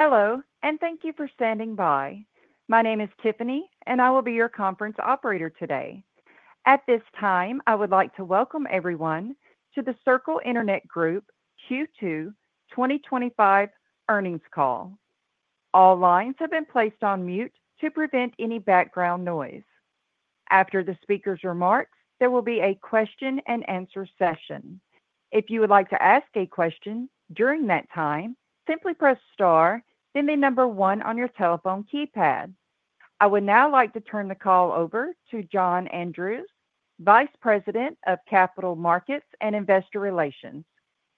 Hello, and thank you for standing by. My name is Tiffany, and I will be your conference operator today. At this time, I would like to welcome everyone to the Circle Internet Group Q2 2025 earnings call. All lines have been placed on mute to prevent any background noise. After the speaker's remArcs, there will be a question-and-answer session. If you would like to ask a question during that time, simply press star, then the number one on your telephone keypad. I would now like to turn the call over to John Andrews, Vice President of Capital markets and Investor Relations.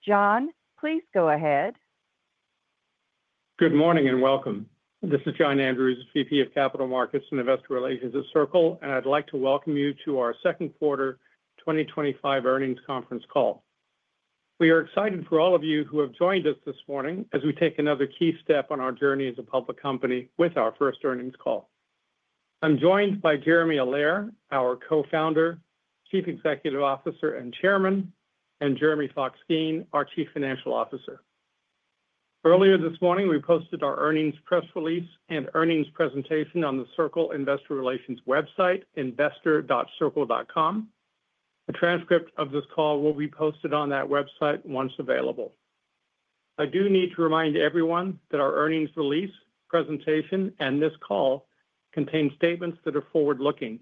John, please go ahead. Good morning and welcome. This is John Andrews, VP of Capital markets and Investor Relations at Circle, and I'd like to welcome you to our second quarter 2025 earnings conference call. We are excited for all of you who have joined us this morning as we take another key step on our journey as a public company with our first earnings call. I'm joined by Jeremy Allaire, our Co-Founder, Chief Executive Officer and Chairman, and Jeremy Fox-Geen, our Chief Financial Officer. Earlier this morning, we posted our earnings press release and earnings presentation on the Circle Investor Relations website, investor.circle.com. A transcript of this call will be posted on that website once available. I do need to remind everyone that our earnings release, presentation, and this call contain statements that are forward-looking.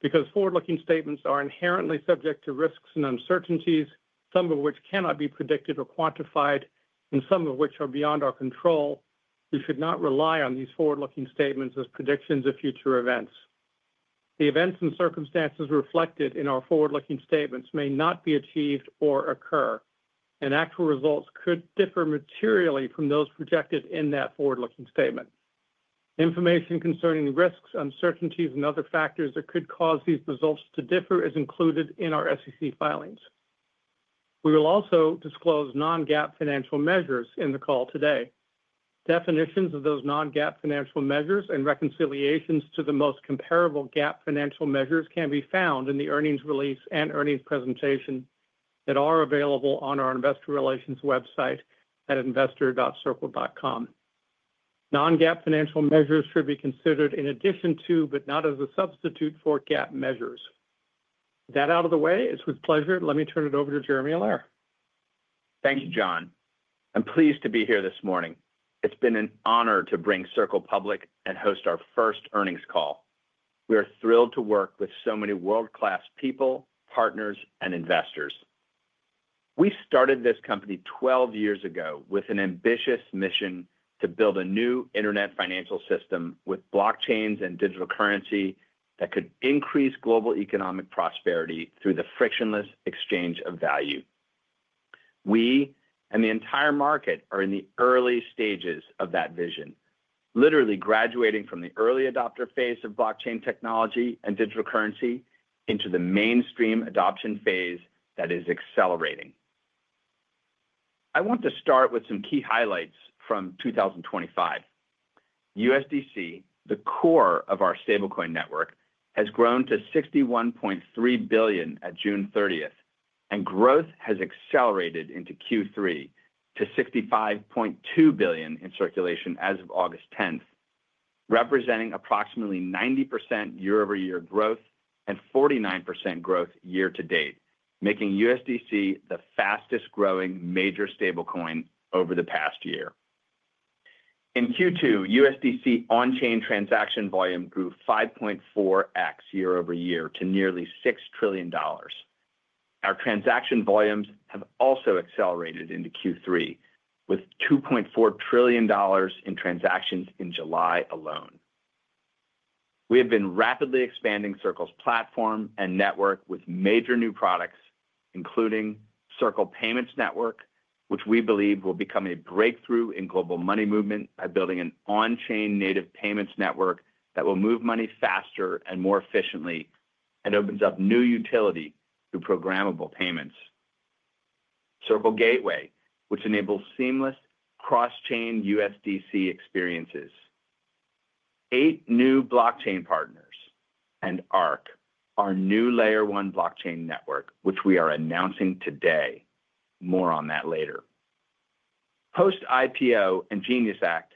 Because forward-looking statements are inherently subject to risks and uncertainties, some of which cannot be predicted or quantified, and some of which are beyond our control, we should not rely on these forward-looking statements as predictions of future events. The events and circumstances reflected in our forward-looking statements may not be achieved or occur, and actual results could differ materially from those projected in that forward-looking statement. Information concerning risks, uncertainties, and other factors that could cause these results to differ is included in our SEC filings. We will also disclose non-GAAP financial measures in the call today. Definitions of those non-GAAP financial measures and reconciliations to the most comparable GAAP financial measures can be found in the earnings release and earnings presentation that are available on our Investor Relations website at investor.circle.com. Non-GAAP financial measures should be considered in addition to, but not as a substitute for, GAAP measures. With that out of the way, it's with pleasure, let me turn it over to Jeremy Allaire. Thank you, John. I'm pleased to be here this morning. It's been an honor to bring Circle public and host our first earnings call. We are thrilled to work with so many world-class people, partners, and investors. We started this company 12 years ago with an ambitious mission to build a new internet financial system with blockchains and digital currency that could increase global economic prosperity through the frictionless exchange of value. We, and the entire market, are in the early stages of that vision, literally graduating from the early adopter phase of blockchain technology and digital currency into the mainstream adoption phase that is accelerating. I want to start with some key highlights from 2025. USDC, the core of our stablecoin network, has grown to $61.3 billion at June 30th, and growth has accelerated into Q3 to $65.2 billion in circulation as of August 10th, representing approximately 90% year-over-year growth and 49% growth year-to-date, making USDC the fastest growing major stablecoin over the past year. In Q2, USDC on-chain transaction volume grew 5.4x year-over-year to nearly $6 trillion. Our transaction volumes have also accelerated into Q3, with $2.4 trillion in transactions in July alone. We have been rapidly expanding Circle's platform and network with major new products, including Circle Payments Network, which we believe will become a breakthrough in global money movement by building an on-chain native payments network that will move money faster and more efficiently and opens up new utility through programmable payments. Circle Gateway, which enables seamless cross-chain USDC experiences. Eight new blockchain partners and Arc, our new Layer 1 blockchain network, which we are announcing today. More on that later. Post IPO and Genius Act,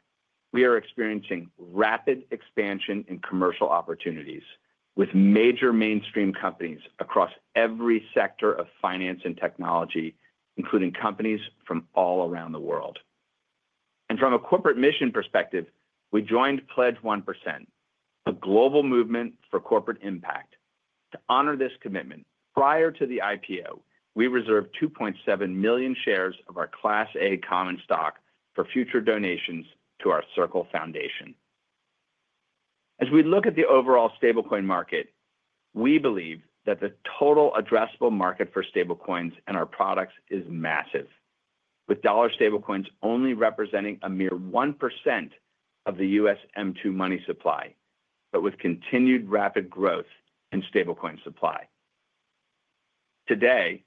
we are experiencing rapid expansion in commercial opportunities with major mainstream companies across every sector of finance and technology, including companies from all around the world. From a corporate mission perspective, we joined Pledge 1%, a global movement for corporate impact. To honor this commitment, prior to the IPO, we reserved 2.7 million shares of our Class A common stock for future donations to our Circle Foundation. As we look at the overall stablecoin market, we believe that the total addressable market for stablecoins and our products is massive, with dollar stablecoins only representing a mere 1% of the U.S. M2 money supply, but with continued rapid growth in stablecoin supply. Today,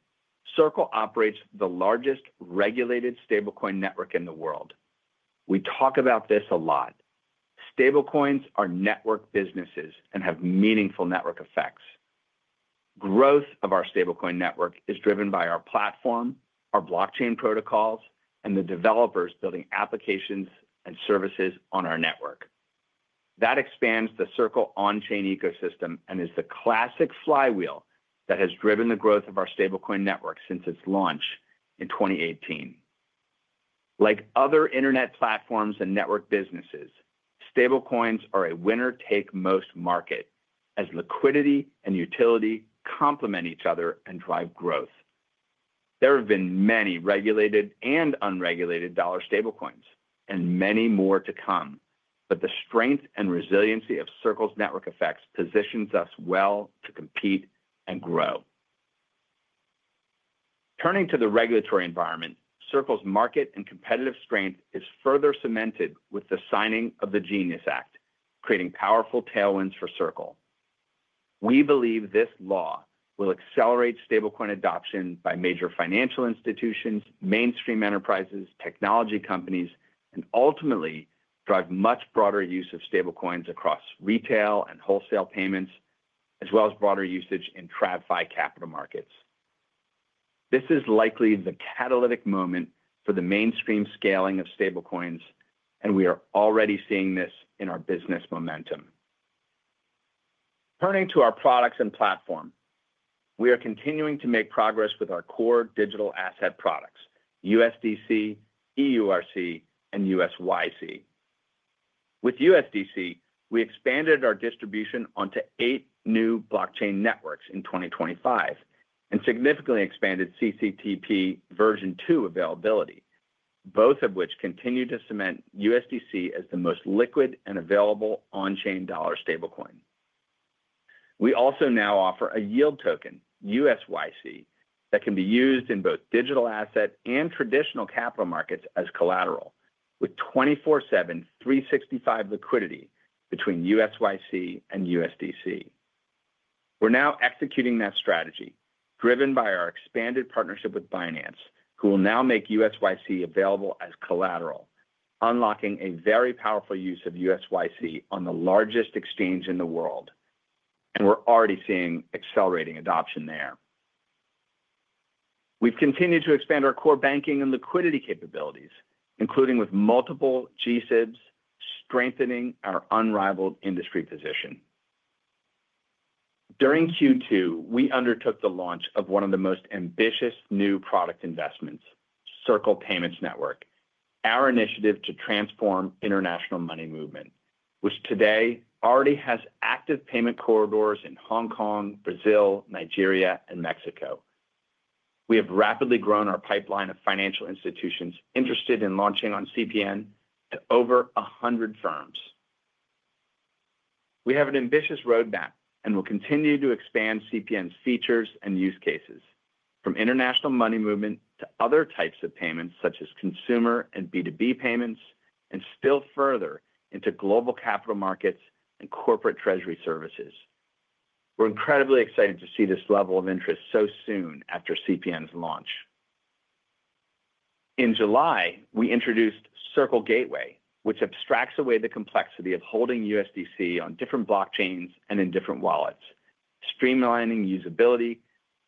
Circle operates the largest regulated stablecoin network in the world. We talk about this a lot. Stablecoins are network businesses and have meaningful network effects. Growth of our stablecoin network is driven by our platform, our blockchain protocols, and the developers building applications and services on our network. That expands the Circle on-chain ecosystem and is the classic flywheel that has driven the growth of our stablecoin network since its launch in 2018. Like other internet platforms and network businesses, stablecoins are a winner-take-most market, as liquidity and utility complement each other and drive growth. There have been many regulated and unregulated dollar stablecoins, and many more to come, but the strength and resiliency of Circle's network effects positions us well to compete and grow. Turning to the regulatory environment, Circle's market and competitive strength is further cemented with the signing of the Genius Act, creating powerful tailwinds for Circle. We believe this law will accelerate stablecoin adoption by major financial institutions, mainstream enterprises, technology companies, and ultimately drive much broader use of stablecoins across retail and wholesale payments, as well as broader usage in TradFi capital markets. This is likely the catalytic moment for the mainstream scaling of stablecoins, and we are already seeing this in our business momentum. Turning to our products and platform, we are continuing to make progress with our core digital asset products: USDC, EURC, and USYC. With USDC, we expanded our distribution onto eight new blockchain networks in 2025 and significantly expanded CCTP Version 2 availability, both of which continue to cement USDC as the most liquid and available on-chain dollar stablecoin. We also now offer a yield token, USYC, that can be used in both digital asset and traditional capital markets as collateral, with 24/7 365 liquidity between USYC and USDC. We're now executing that strategy, driven by our expanded partnership with Binance, who will now make USYC available as collateral, unlocking a very powerful use of USYC on the largest exchange in the world. We are already seeing accelerating adoption there. We have continued to expand our core banking and liquidity capabilities, including with multiple G-SIBs, strengthening our unrivaled industry position. During Q2, we undertook the launch of one of the most ambitious new product investments, Circle Payments Network, our initiative to transform international money movement, which today already has active payment corridors in Hong Kong, Brazil, Nigeria, and Mexico. We have rapidly grown our pipeline of financial institutions interested in launching on CPN to over 100 firms. We have an ambitious roadmap and will continue to expand CPN's features and use cases, from international money movement to other types of payments such as consumer and B2B payments, and still further into global capital markets and corporate treasury services. We are incredibly excited to see this level of interest so soon after CPN's launch. In July, we introduced Circle Gateway, which abstracts away the complexity of holding USDC on different blockchains and in different wallets, streamlining usability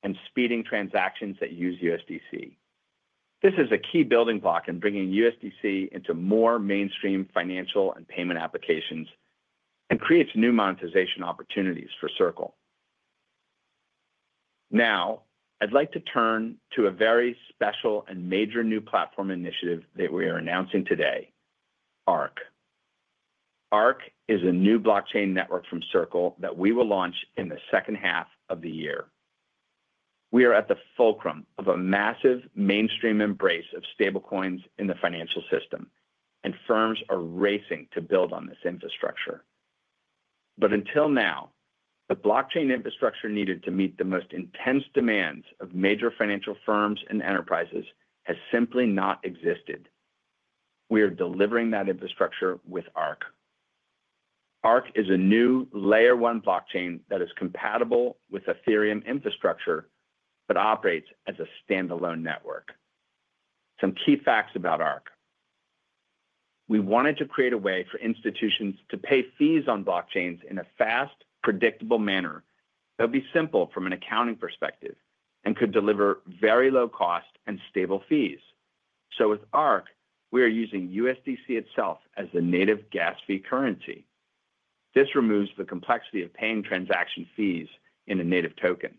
and speeding transactions that use USDC. This is a key building block in bringing USDC into more mainstream financial and payment applications and creates new monetization opportunities for Circle. Now, I would like to turn to a very special and major new platform initiative that we are announcing today: Arc.Arc is a new blockchain network from Circle that we will launch in the second half of the year. We are at the fulcrum of a massive mainstream embrace of stablecoins in the financial system, and firms are racing to build on this infrastructure. Until now, the blockchain infrastructure needed to meet the most intense demands of major financial firms and enterprises has simply not existed. We are delivering that infrastructure with Arc. Arc is a new Layer 1 blockchain that is compatible with Ethereum infrastructure but operates as a standalone network. Some key facts about Arc. We wanted to create a way for institutions to pay fees on blockchains in a fast, predictable manner that would be simple from an accounting perspective and could deliver very low cost and stable fees. With Arc, we are using USDC itself as the native gas fee currency. This removes the complexity of paying transaction fees in a native token.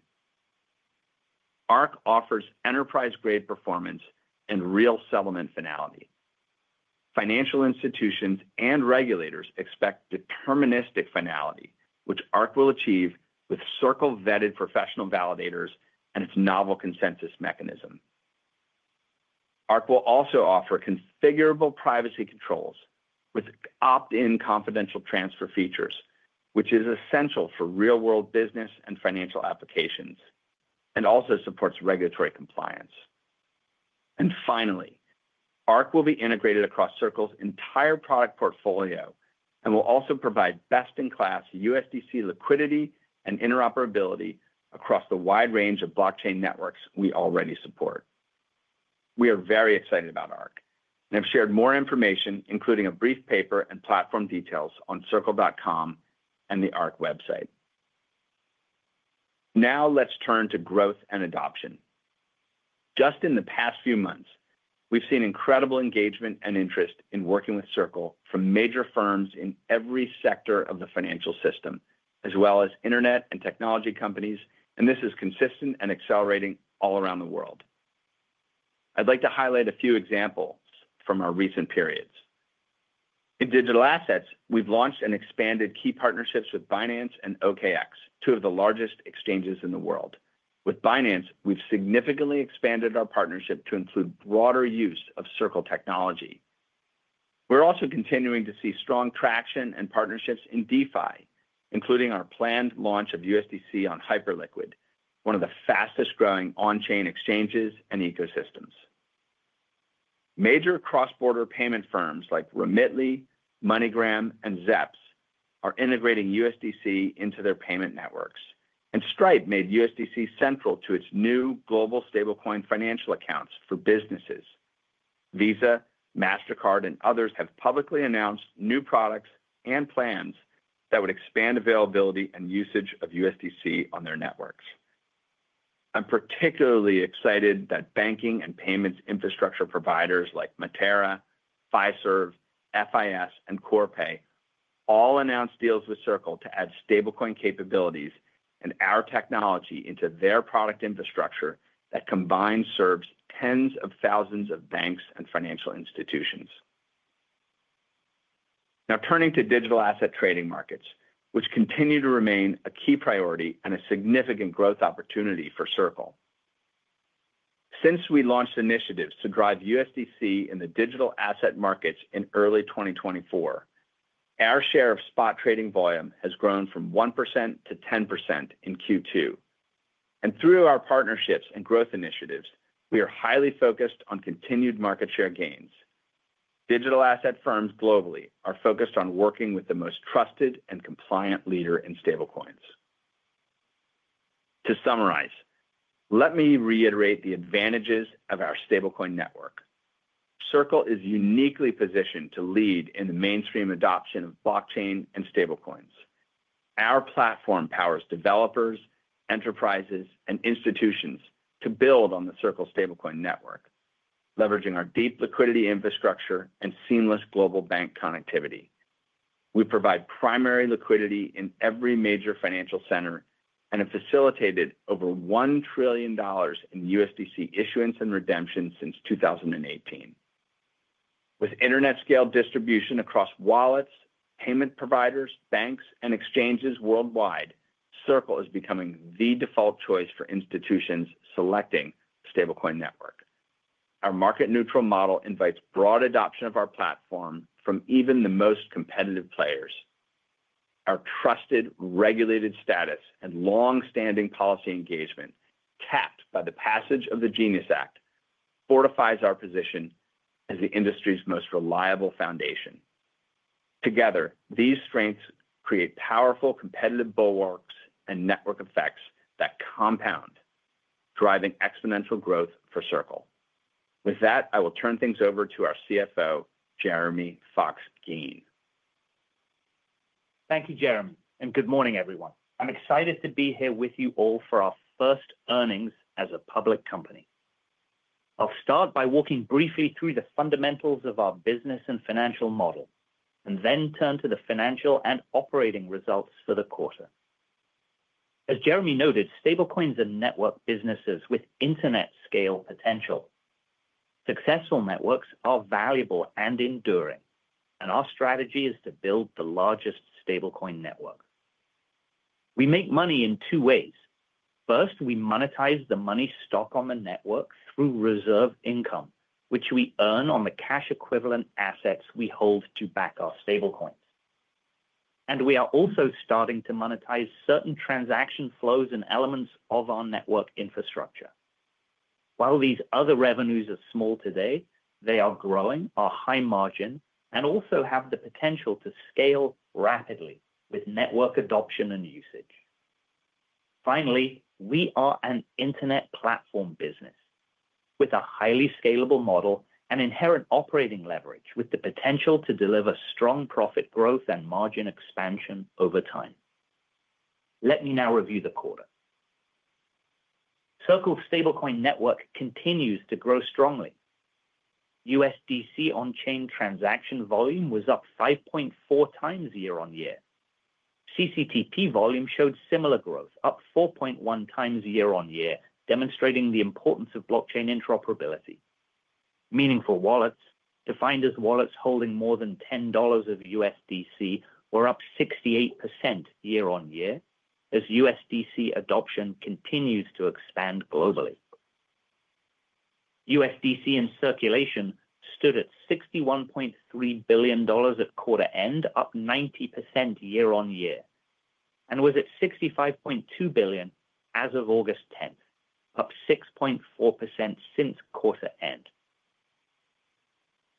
Arc offers enterprise-grade performance and real settlement finality. Financial institutions and regulators expect deterministic finality, which Arc will achieve with Circle-vetted professional validators and its novel consensus mechanism. Arc will also offer configurable privacy controls with opt-in confidential transfer features, which is essential for real-world business and financial applications and also supports regulatory compliance. Finally, Arc will be integrated across Circle's entire product portfolio and will also provide best-in-class USDC liquidity and interoperability across the wide range of blockchain networks we already support. We are very excited about Arc and have shared more information, including a brief paper and platform details on circle.com and the Arc website. Now, let's turn to growth and adoption. Just in the past few months, we've seen incredible engagement and interest in working with Circle from major firms in every sector of the financial system, as well as internet and technology companies, and this is consistent and accelerating all around the world. I'd like to highlight a few examples from our recent periods. In digital assets, we've launched and expanded key partnerships with Binance and OKX, two of the largest exchanges in the world. With Binance, we've significantly expanded our partnership to include broader use of Circle technology. We're also continuing to see strong traction and partnerships in DeFi, including our planned launch of USDC on Hyperliquid, one of the fastest growing on-chain exchanges and ecosystems. Major cross-border payment firms like Remitly, MoneyGram, and Zepz are integrating USDC into their payment networks, and Stripe made USDC central to its new global stablecoin financial accounts for businesses. Visa, Mastercard, and others have publicly announced new products and plans that would expand availability and usage of USDC on their networks. I'm particularly excited that banking and payments infrastructure providers like Matera, Fiserv, FIS, and Corpay all announced deals with Circle to add stablecoin capabilities and our technology into their product infrastructure that serves tens of thousands of banks and financial institutions. Now, turning to digital asset trading markets, which continue to remain a key priority and a significant growth opportunity for Circle. Since we launched initiatives to drive USDC in the digital asset markets in early 2024, our share of spot trading volume has grown from 1% to 10% in Q2. Through our partnerships and growth initiatives, we are highly focused on continued market share gains. Digital asset firms globally are focused on working with the most trusted and compliant leader in stablecoins. To summarize, let me reiterate the advantages of our stablecoin network. Circle is uniquely positioned to lead in the mainstream adoption of blockchain and stablecoins. Our platform powers developers, enterprises, and institutions to build on the Circle stablecoin network, leveraging our deep liquidity infrastructure and seamless global bank connectivity. We provide primary liquidity in every major financial center and have facilitated over $1 trillion in USDC issuance and redemption since 2018. With internet-scale distribution across wallets, payment providers, banks, and exchanges worldwide, Circle is becoming the default choice for institutions selecting a stablecoin network. Our market-neutral model invites broad adoption of our platform from even the most competitive players. Our trusted, regulated status and longstanding policy engagement, capped by the passage of the Genius Act, fortifies our position as the industry's most reliable foundation. Together, these strengths create powerful competitive bulwarks and network effects that compound, driving exponential growth for Circle. With that, I will turn things over to our CFO, Jeremy Fox-Geen. Thank you, Jeremy, and good morning, everyone. I'm excited to be here with you all for our first earnings as a public company. I'll start by walking briefly through the fundamentals of our business and financial model, and then turn to the financial and operating results for the quarter. As Jeremy noted, stablecoins are network businesses with internet scale potential. Successful networks are valuable and enduring, and our strategy is to build the largest stablecoin network. We make money in two ways. First, we monetize the money stock on the network through reserve income, which we earn on the cash equivalent assets we hold to back our stablecoins. We are also starting to monetize certain transaction flows and elements of our network infrastructure. While these other revenues are small today, they are growing, are high margin, and also have the potential to scale rapidly with network adoption and usage. Finally, we are an internet platform business with a highly scalable model and inherent operating leverage with the potential to deliver strong profit growth and margin expansion over time. Let me now review the quarter. Circle's stablecoin network continues to grow strongly. USDC on-chain transaction volume was up 5.4x year-on-year. CCTP volume showed similar growth, up 4.1x year-on-year, demonstrating the importance of blockchain interoperability. Meaningful wallets, defined as wallets holding more than $10 of USDC, were up 68% year-on-year, as USDC adoption continues to expand globally. USDC in circulation stood at $61.3 billion at quarter-end, up 90% year-on-year, and was at $65.2 billion as of August 10th, up 6.4% since quarter end.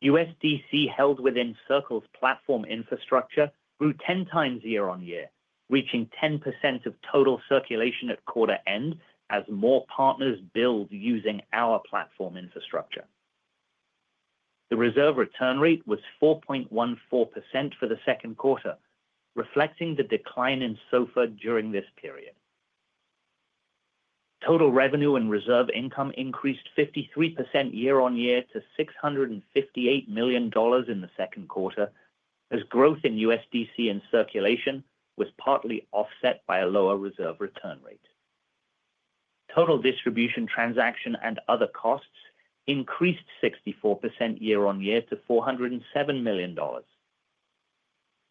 USDC held within Circle's platform infrastructure grew 10x year-on-year, reaching 10% of total circulation at quarter end as more partners build using our platform infrastructure. The reserve return rate was 4.14% for the second quarter, reflecting the decline in SOFR during this period. Total revenue and reserve income increased 53% year-on-year to $658 million in the second quarter, as growth in USDC in circulation was partly offset by a lower reserve return rate. Total distribution transaction and other costs increased 64% year-on-year to $407 million.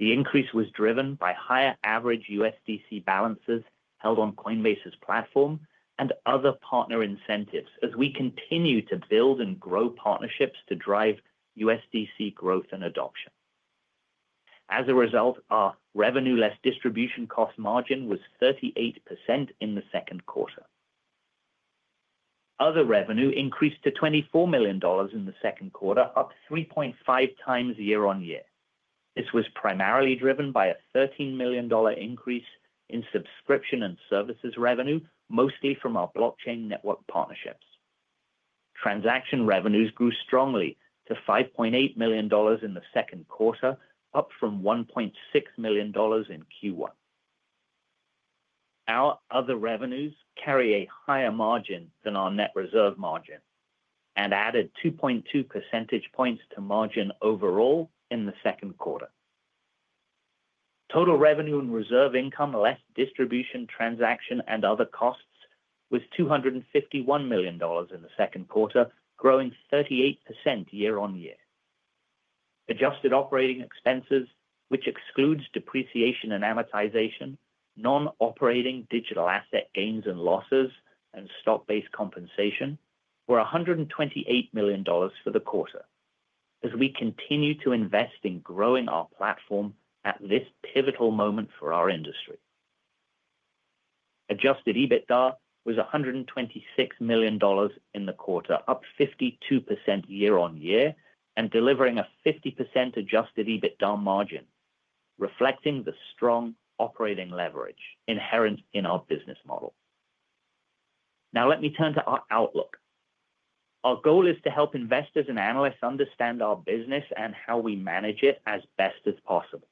The increase was driven by higher average USDC balances held on Coinbase's platform and other partner incentives as we continue to build and grow partnerships to drive USDC growth and adoption. As a result, our revenue-less distribution cost margin was 38% in the second quarter. Other revenue increased to $24 million in the second quarter, up 3.5x year-on-year. This was primarily driven by a $13 million increase in subscription and services revenue, mostly from our blockchain network partnerships. Transaction revenues grew strongly to $5.8 million in the second quarter, up from $1.6 million in Q1. Our other revenues carry a higher margin than our net reserve margin and added 2.2 percentage points to margin overall in the second quarter. Total revenue and reserve income less distribution, transaction, and other costs was $251 million in the second quarter, growing 38% year-on-year. Adjusted operating expenses, which excludes depreciation and amortization, non-operating digital asset gains and losses, and stock-based compensation, were $128 million for the quarter as we continue to invest in growing our platform at this pivotal moment for our industry. Adjusted EBITDA was $126 million in the quarter, up 52% year-on-year, and delivering a 50% adjusted EBITDA margin, reflecting the strong operating leverage inherent in our business model. Now, let me turn to our outlook. Our goal is to help investors and analysts understand our business and how we manage it as best as possible.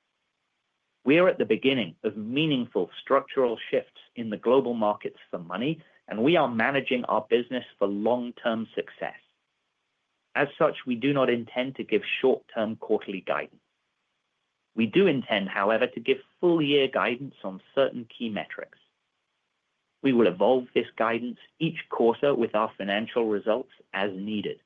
We are at the beginning of meaningful structural shifts in the global markets for money, and we are managing our business for long-term success. As such, we do not intend to give short-term quarterly guidance. We do intend, however, to give full-year guidance on certain key metrics. We will evolve this guidance each quarter with our financial results as needed.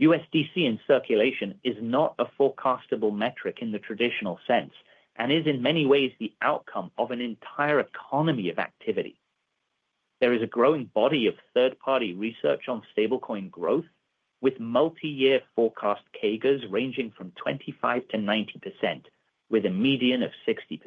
USDC in circulation is not a forecastable metric in the traditional sense and is in many ways the outcome of an entire economy of activity. There is a growing body of third-party research on stablecoin growth, with multi-year forecast CAGRs ranging from 25%-90%, with a median of 60%.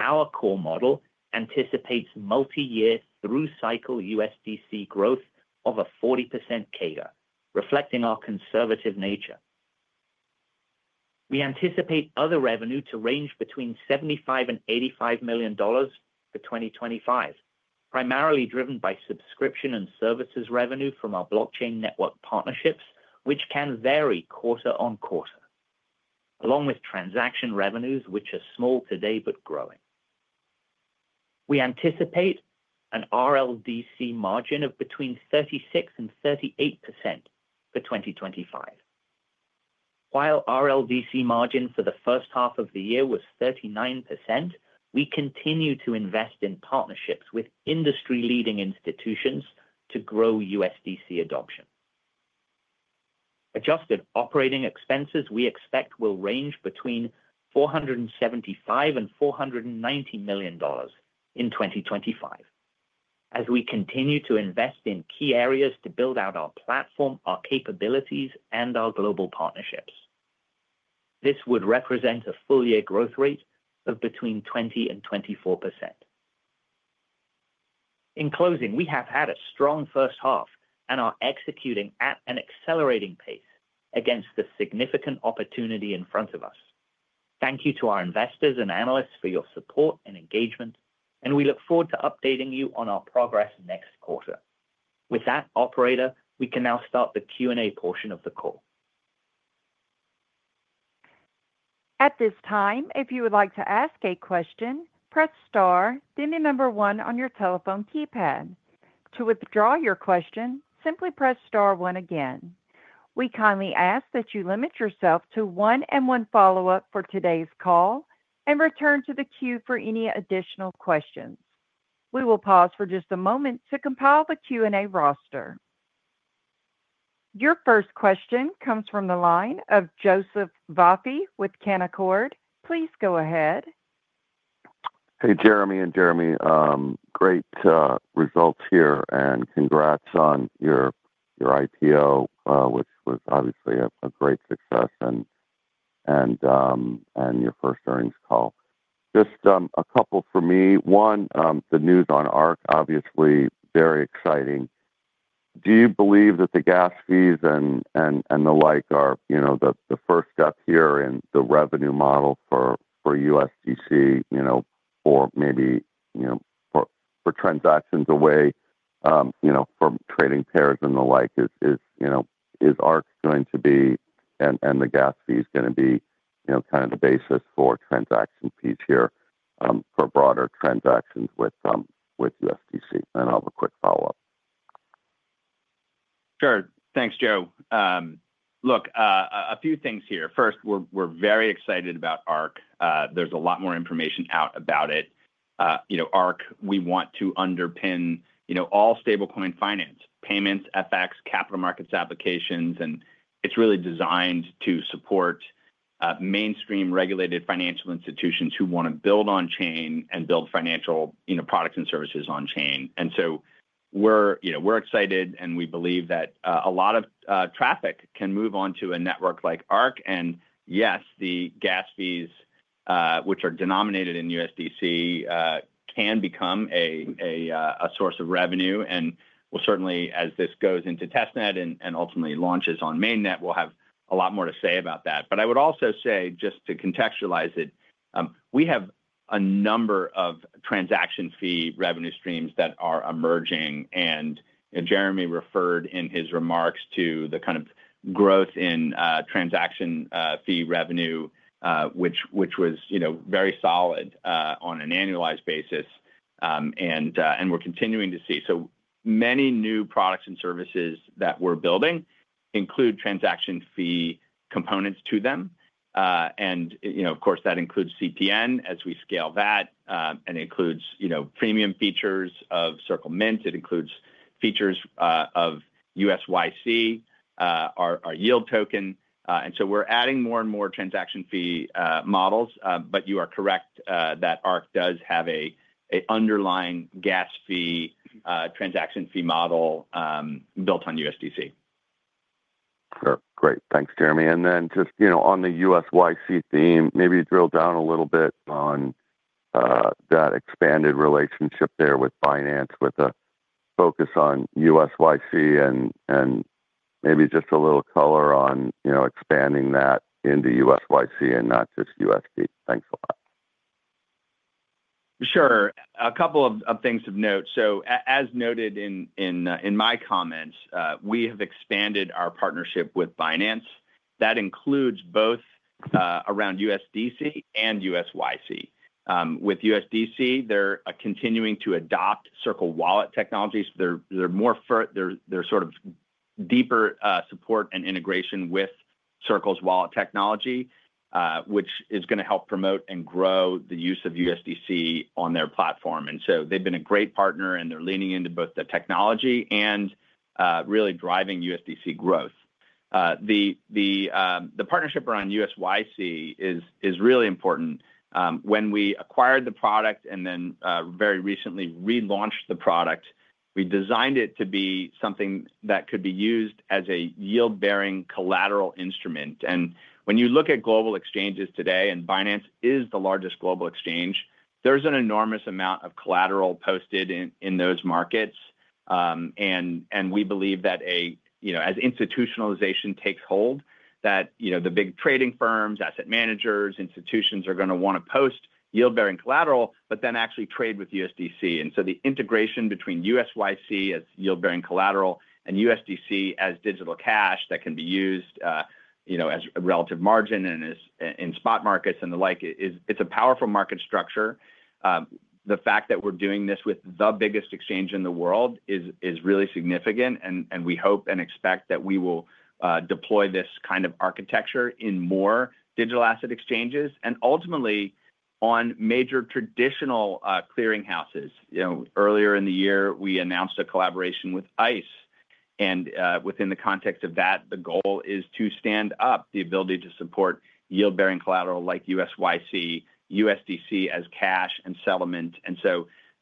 Our core model anticipates multi-year through-cycle USDC growth of a 40% CAGR, reflecting our conservative nature. We anticipate other revenue to range between $75 million and $85 million for 2025, primarily driven by subscription and services revenue from our blockchain network partnerships, which can vary quarter-on-quarter, along with transaction revenues, which are small today but growing. We anticipate an RLDC margin of between 36% and 38% for 2025. While our RLDC margin for the first half of the year was 39%, we continue to invest in partnerships with industry-leading institutions to grow USDC adoption. Adjusted operating expenses we expect will range between $475 million and $490 million in 2025, as we continue to invest in key areas to build out our platform, our capabilities, and our global partnerships. This would represent a full-year growth rate of between 20% and 24%. In closing, we have had a strong first half and are executing at an accelerating pace against the significant opportunity in front of us. Thank you to our investors and analysts for your support and engagement, and we look forward to updating you on our progress next quarter. With that, operator, we can now start the Q&A portion of the call. At this time, if you would like to ask a question, press star, then the number one on your telephone keypad. To withdraw your question, simply press star one again. We kindly ask that you limit yourself to one and one follow-up for today's call and return to the queue for any additional questions. We will pause for just a moment to compile the Q&A roster. Your first question comes from the line of Joseph Vafi with Canaccord. Please go ahead. Hey, Jeremy, and Jeremy, great results here and congrats on your IPO, which was obviously a great success and your first earnings call. Just a couple for me. One, the news on Arc, obviously very exciting. Do you believe that the gas fees and the like are, you know, the first step here in the revenue model for USDC, you know, for maybe, you know, for transactions away, you know, from trading pairs and the like, is Arc going to be, and the gas fee is going to be, you know, kind of the basis for transaction fees here, for broader transactions with USDC? I'll have a quick follow-up. Sure. Thanks, Joe. A few things here. First, we're very excited about Arc. There's a lot more information out about it. You know, Arc, we want to underpin all stablecoin finance, payments, FX, capital markets applications, and it's really designed to support mainstream regulated financial institutions who want to build on chain and build financial products and services on chain. We're excited and we believe that a lot of traffic can move on to a network like Arc. Yes, the gas fees, which are denominated in USDC, can become a source of revenue. We'll certainly, as this goes into Testnet and ultimately launches on Mainnet, have a lot more to say about that. I would also say, just to contextualize it, we have a number of transaction fee revenue streams that are emerging. Jeremy referred in his remarks to the kind of growth in transaction fee revenue, which was very solid on an annualized basis. We're continuing to see so many new products and services that we're building, including transaction fee components to them. Of course, that includes CPN as we scale that, and it includes premium features of Circle Mint. It includes features of USYC, our yield token. We're adding more and more transaction fee models. You are correct that Arc does have an underlying gas fee transaction fee model built on USDC. Great. Thanks, Jeremy. On the USYC theme, maybe drill down a little bit on that expanded relationship there with Binance with a focus on USYC and maybe just a little color on expanding that into USYC and not just USDC. Thanks a lot. Sure. A couple of things of note. As noted in my comments, we have expanded our partnership with Binance. That includes both around USDC and USYC. With USDC, they're continuing to adopt Circle Wallet technologies. They're more for, they're sort of deeper support and integration with Circle's Wallet technology, which is going to help promote and grow the use of USDC on their platform. They've been a great partner and they're leaning into both the technology and really driving USDC growth. The partnership around USYC is really important. When we acquired the product and then very recently relaunched the product, we designed it to be something that could be used as a yield-bearing collateral instrument. When you look at global exchanges today, and Binance is the largest global exchange, there's an enormous amount of collateral posted in those markets. We believe that as institutionalization takes hold, the big trading firms, asset managers, institutions are going to want to post yield-bearing collateral but then actually trade with USDC. The integration between USYC as yield-bearing collateral and USDC as digital cash that can be used as a relative margin and is in spot markets and the like is a powerful market structure. The fact that we're doing this with the biggest exchange in the world is really significant. We hope and expect that we will deploy this kind of architecture in more digital asset exchanges and ultimately on major traditional clearinghouses. Earlier in the year, we announced a collaboration with ICE. Within the context of that, the goal is to stand up the ability to support yield-bearing collateral like USYC, USDC as cash and settlements.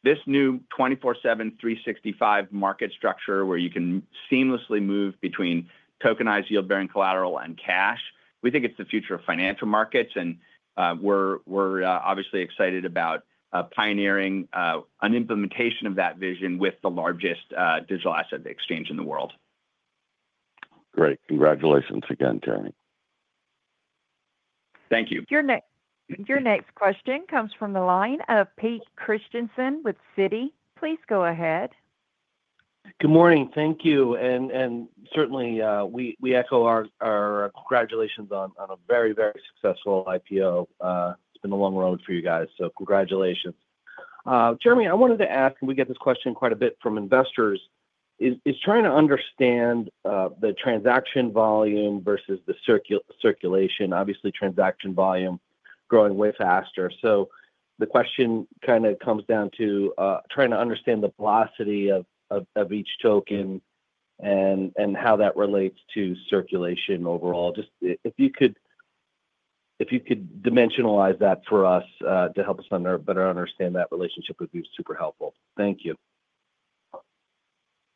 This new 24/7 365 market structure where you can seamlessly move between tokenized yield-bearing collateral and cash, we think it's the future of financial markets. We're obviously excited about pioneering an implementation of that vision with the largest digital asset exchange in the world. Great. Congratulations again, Jeremy. Thank you. Your next question comes from the line of Pete Christiansen with Citi. Please go ahead. Good morning. Thank you. We echo our congratulations on a very, very successful IPO. It's been a long road for you guys, so congratulations. Jeremy, I wanted to ask, and we get this question quite a bit from investors, is trying to understand the transaction volume versus the circulation. Obviously, transaction volume growing way faster. The question kind of comes down to trying to understand the velocity of each token and how that relates to circulation overall. If you could dimensionalize that for us to help us better understand that relationship, it would be super helpful. Thank you.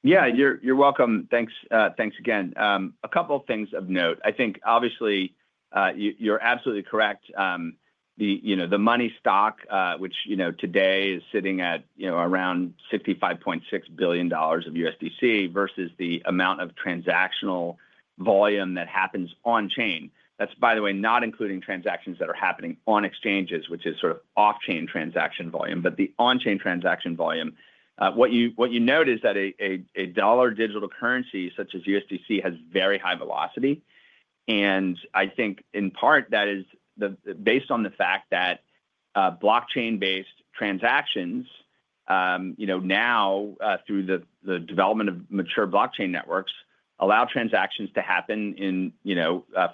Yeah, you're welcome. Thanks again. A couple of things of note. I think obviously, you're absolutely correct. The money stock, which today is sitting at around $65.6 billion of USDC versus the amount of transactional volume that happens on chain. That's, by the way, not including transactions that are happening on exchanges, which is sort of off-chain transaction volume, but the on-chain transaction volume. What you note is that a dollar digital currency such as USDC has very high velocity. I think in part that is based on the fact that blockchain-based transactions now, through the development of mature blockchain networks, allow transactions to happen in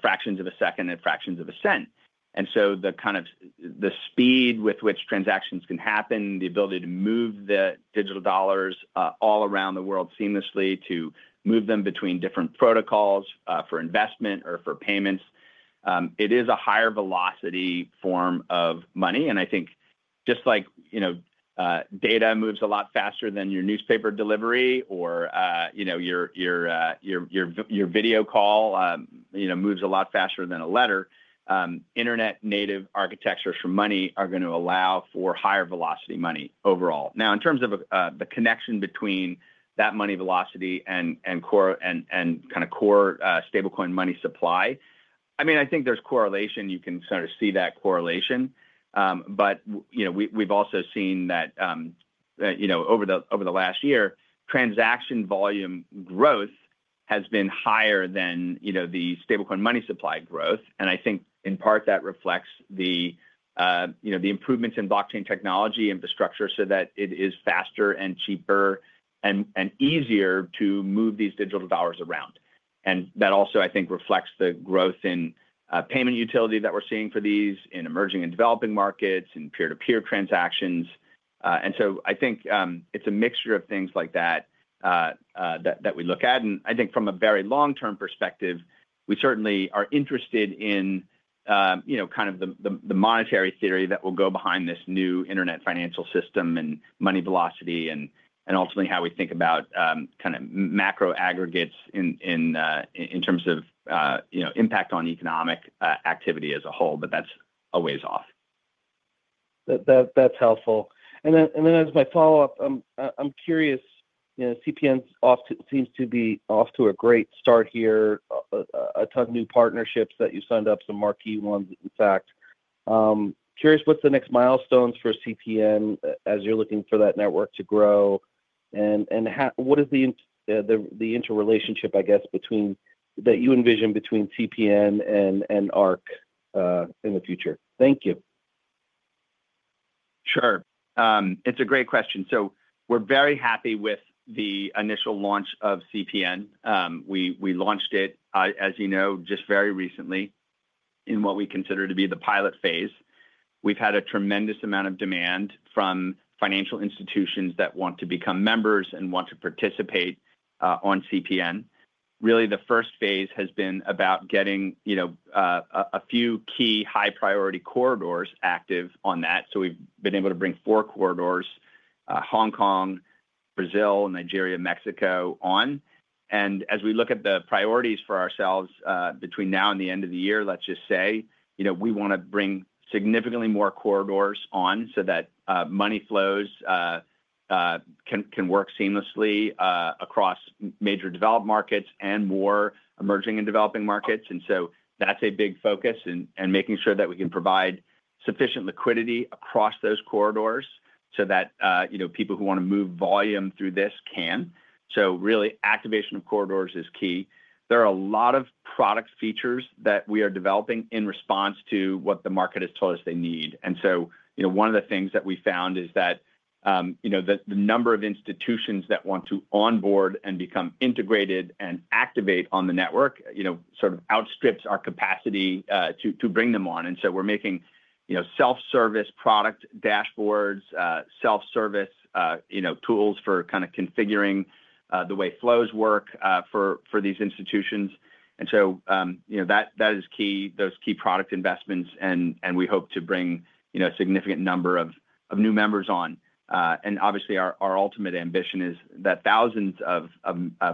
fractions of a second and fractions of a cent. The kind of the speed with which transactions can happen, the ability to move the digital dollars all around the world seamlessly, to move them between different protocols, for investment or for payments, it is a higher velocity form of money. I think just like data moves a lot faster than your newspaper delivery or your video call moves a lot faster than a letter, internet-native architectures for money are going to allow for higher velocity money overall. Now, in terms of the connection between that money velocity and core stablecoin money supply, I mean, I think there's correlation. You can sort of see that correlation. We've also seen that over the last year, transaction volume growth has been higher than the stablecoin money supply growth. I think in part that reflects the improvements in blockchain technology infrastructure so that it is faster and cheaper and easier to move these digital dollars around. That also, I think, reflects the growth in payment utility that we're seeing for these in emerging and developing markets and peer-to-peer transactions. I think it's a mixture of things like that that we look at. I think from a very long-term perspective, we certainly are interested in the monetary theory that will go behind this new internet financial system and money velocity and ultimately how we think about macro aggregates in terms of impact on economic activity as a whole, but that's a ways off. That's helpful. As my follow-up, I'm curious, you know, CPN's off to, seems to be off to a great start here, a ton of new partnerships that you signed up, some marquee ones, in fact. Curious what's the next milestones for CPN as you're looking for that network to grow, and how, what is the interrelationship, I guess, that you envision between CPN and Arc in the future. Thank you. Sure. It's a great question. We're very happy with the initial launch of CPN. We launched it, as you know, just very recently in what we consider to be the pilot phase. We've had a tremendous amount of demand from financial institutions that want to become members and want to participate on CPN. Really, the first phase has been about getting a few key high-priority corridors active on that. We've been able to bring four corridors, Hong Kong, Brazil, Nigeria, and Mexico on. As we look at the priorities for ourselves, between now and the end of the year, let's just say we want to bring significantly more corridors on so that money flows can work seamlessly across major developed markets and more emerging and developing markets. That's a big focus and making sure that we can provide sufficient liquidity across those corridors so that people who want to move volume through this can. Really, activation of corridors is key. There are a lot of product features that we are developing in response to what the market has told us they need. One of the things that we found is that the number of institutions that want to onboard and become integrated and activate on the network sort of outstrips our capacity to bring them on. We're making self-service product dashboards, self-service tools for configuring the way flows work for these institutions. That is key, those key product investments, and we hope to bring a significant number of new members on. Obviously, our ultimate ambition is that thousands of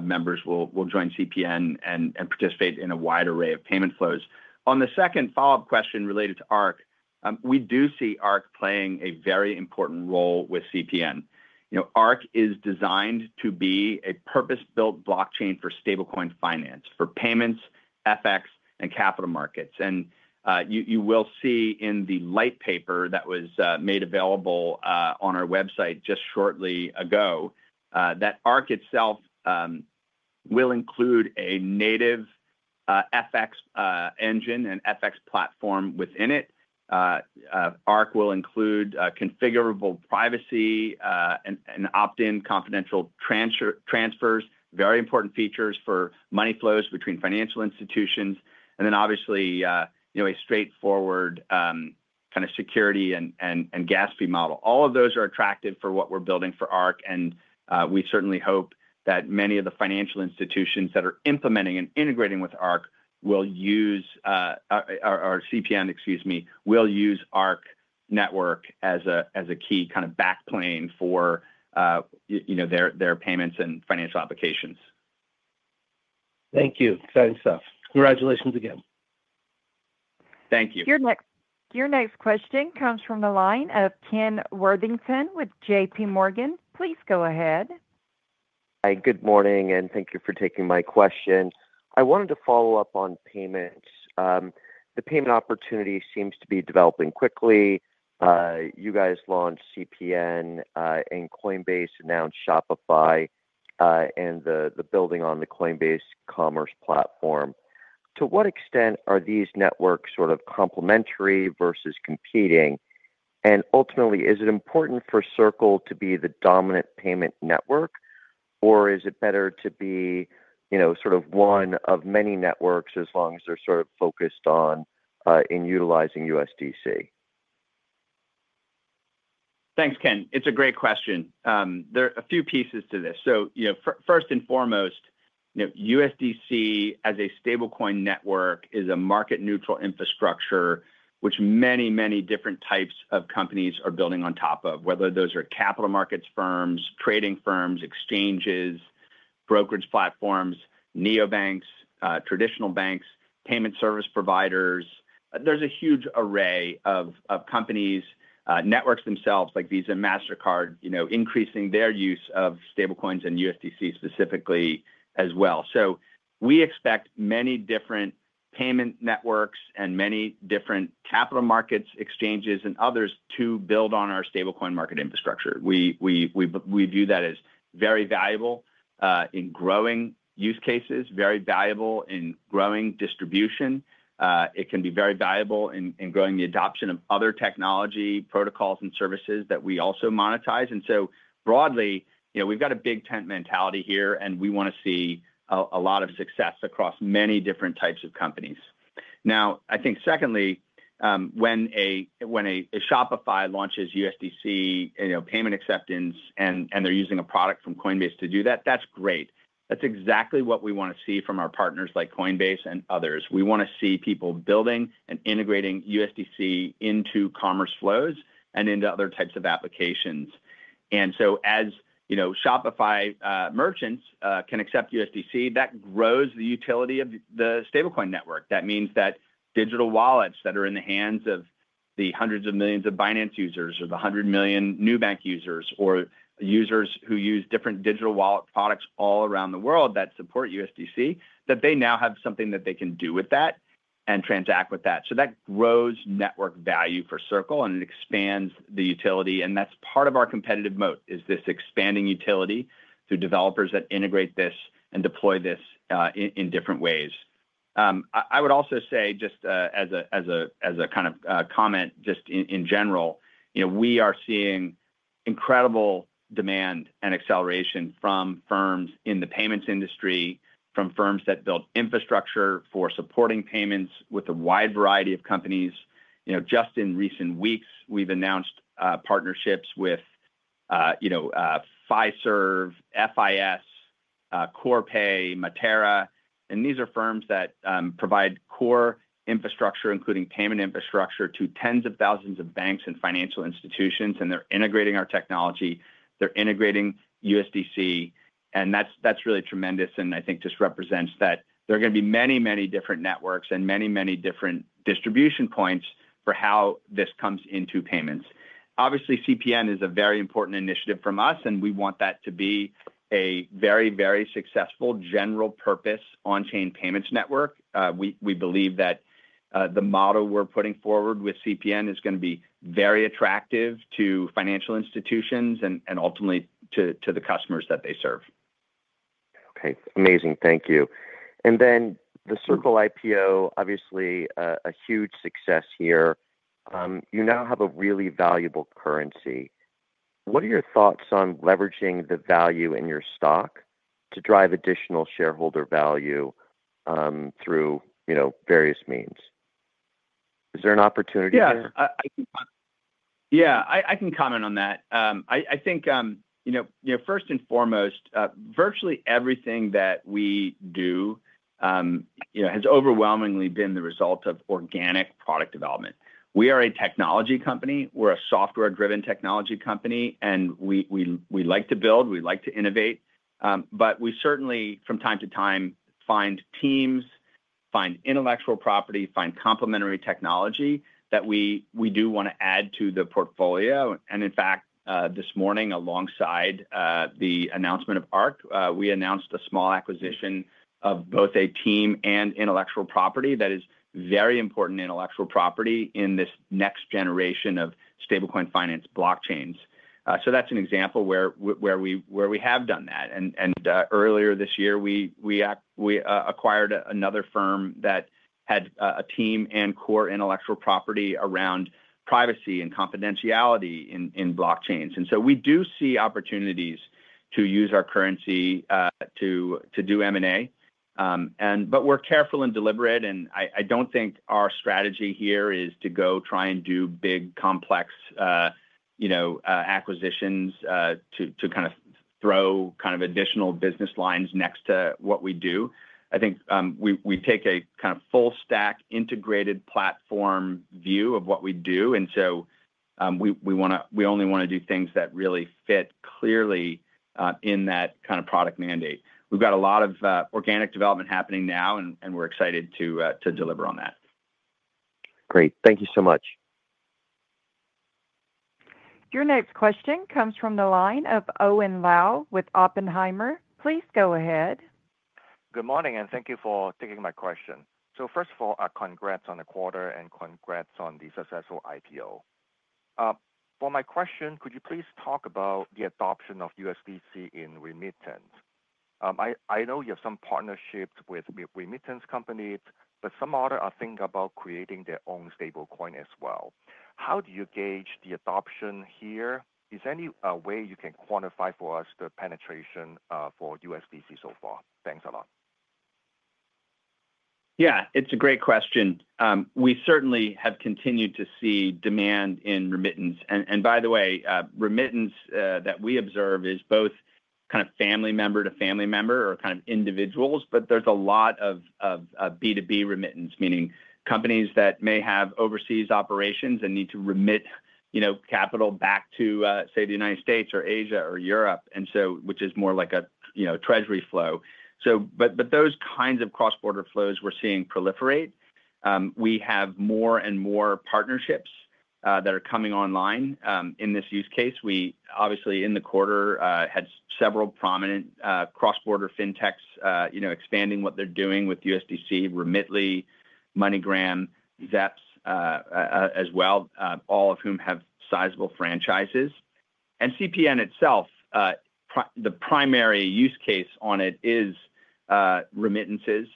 members will join CPN and participate in a wide array of payment flows. On the second follow-up question related to Arc, we do see Arc playing a very important role with CPN. Arc is designed to be a purpose-built blockchain for stablecoin finance, for payments, FX, and capital markets. You will see in the light paper that was made available on our website just shortly ago that Arc itself will include a native FX engine and FX platform within it. Arc will include configurable privacy and opt-in confidential transfers, very important features for money flows between financial institutions. Obviously, a straightforward security and gas fee model. All of those are attractive for what we're building for Arc, and we certainly hope that many of the financial institutions that are implementing and integrating with CPN will use Arc network as a key backplane for their payments and financial applications. Thank you. Exciting stuff. Congratulations again. Thank you. Your next question comes from the line of Ken Worthington with JPMorgan. Please go ahead. Hi, good morning, and thank you for taking my question. I wanted to follow up on payments. The payment opportunity seems to be developing quickly. You guys launched CPN, and Coinbase announced Shopify and the building on the Coinbase Commerce platform. To what extent are these networks sort of complementary versus competing? Ultimately, is it important for Circle to be the dominant payment network, or is it better to be, you know, sort of one of many networks as long as they're sort of focused on, in utilizing USDC? Thanks, Ken. It's a great question. There are a few pieces to this. First and foremost, USDC as a stablecoin network is a market-neutral infrastructure, which many, many different types of companies are building on top of, whether those are capital markets firms, trading firms, exchanges, brokerage platforms, neobanks, traditional banks, payment service providers. There's a huge array of companies, networks themselves, like Visa and Mastercard, increasing their use of stablecoins and USDC specifically as well. We expect many different payment networks and many different capital markets, exchanges, and others to build on our stablecoin market infrastructure. We view that as very valuable in growing use cases, very valuable in growing distribution. It can be very valuable in growing the adoption of other technology, protocols, and services that we also monetize. Broadly, we've got a big tent mentality here, and we want to see a lot of success across many different types of companies. Now, I think secondly, when a Shopify launches USDC payment acceptance, and they're using a product from Coinbase to do that, that's great. That's exactly what we want to see from our partners like Coinbase and others. We want to see people building and integrating USDC into commerce flows and into other types of applications. As Shopify merchants can accept USDC, that grows the utility of the stablecoin network. That means that digital wallets that are in the hands of the hundreds of millions of Binance users or the hundred million neobank users or users who use different digital wallet products all around the world that support USDC, that they now have something that they can do with that and transact with that. That grows network value for Circle, and it expands the utility, and that's part of our competitive moat, this expanding utility through developers that integrate this and deploy this in different ways. I would also say, just as a kind of comment in general, we are seeing incredible demand and acceleration from firms in the payments industry, from firms that build infrastructure for supporting payments with a wide variety of companies. Just in recent weeks, we've announced partnerships with Fiserv, FIS, Corpay, Matera, and these are firms that provide core infrastructure, including payment infrastructure, to tens of thousands of banks and financial institutions, and they're integrating our technology. They're integrating USDC, and that's really tremendous, and I think just represents that there are going to be many, many different networks and many, many different distribution points for how this comes into payments. Obviously, CPN is a very important initiative from us, and we want that to be a very, very successful general purpose on-chain payments network. We believe that the model we're putting forward with CPN is going to be very attractive to financial institutions and ultimately to the customers that they serve. Okay. Amazing. Thank you. The Circle IPO, obviously, a huge success here. You now have a really valuable currency. What are your thoughts on leveraging the value in your stock to drive additional shareholder value through various means? Is there an opportunity there? I can comment on that. I think, first and foremost, virtually everything that we do has overwhelmingly been the result of organic product development. We are a technology company. We're a software-driven technology company, and we like to build. We like to innovate. We certainly, from time-to-time, find teams, find intellectual property, find complementary technology that we do want to add to the portfolio. In fact, this morning, alongside the announcement of Arc, we announced a small acquisition of both a team and intellectual property that is very important intellectual property in this next generation of stablecoin finance blockchains. That's an example where we have done that. Earlier this year, we acquired another firm that had a team and core intellectual property around privacy and confidentiality in blockchains. We do see opportunities to use our currency to do M&A. We're careful and deliberate, and I don't think our strategy here is to go try and do big complex acquisitions to kind of throw kind of additional business lines next to what we do. I think we take a kind of full stack integrated platform view of what we do. We want to, we only want to do things that really fit clearly in that kind of product mandate. We've got a lot of organic development happening now, and we're excited to deliver on that. Great. Thank you so much. Your next question comes from the line of Owen Lau with Oppenheimer. Please go ahead. Good morning, and thank you for taking my question. First of all, congrats on the quarter and congrats on the successful IPO. For my question, could you please talk about the adoption of USDC in remittance? I know you have some partnerships with remittance companies, but some others are thinking about creating their own stablecoin as well. How do you gauge the adoption here? Is there any way you can quantify for us the penetration for USDC so far? Thanks a lot. Yeah, it's a great question. We certainly have continued to see demand in remittance. By the way, remittance that we observe is both kind of family member to family member or kind of individuals, but there's a lot of B2B remittance, meaning companies that may have overseas operations and need to remit, you know, capital back to, say, the United States or Asia or Europe, which is more like a treasury flow. Those kinds of cross-border flows we're seeing proliferate. We have more and more partnerships that are coming online in this use case. We obviously in the quarter had several prominent cross-border FinTechs expanding what they're doing with USDC, Remitly, MoneyGram, Zepz as well, all of whom have sizable franchises. CPN itself, the primary use case on it is remittances,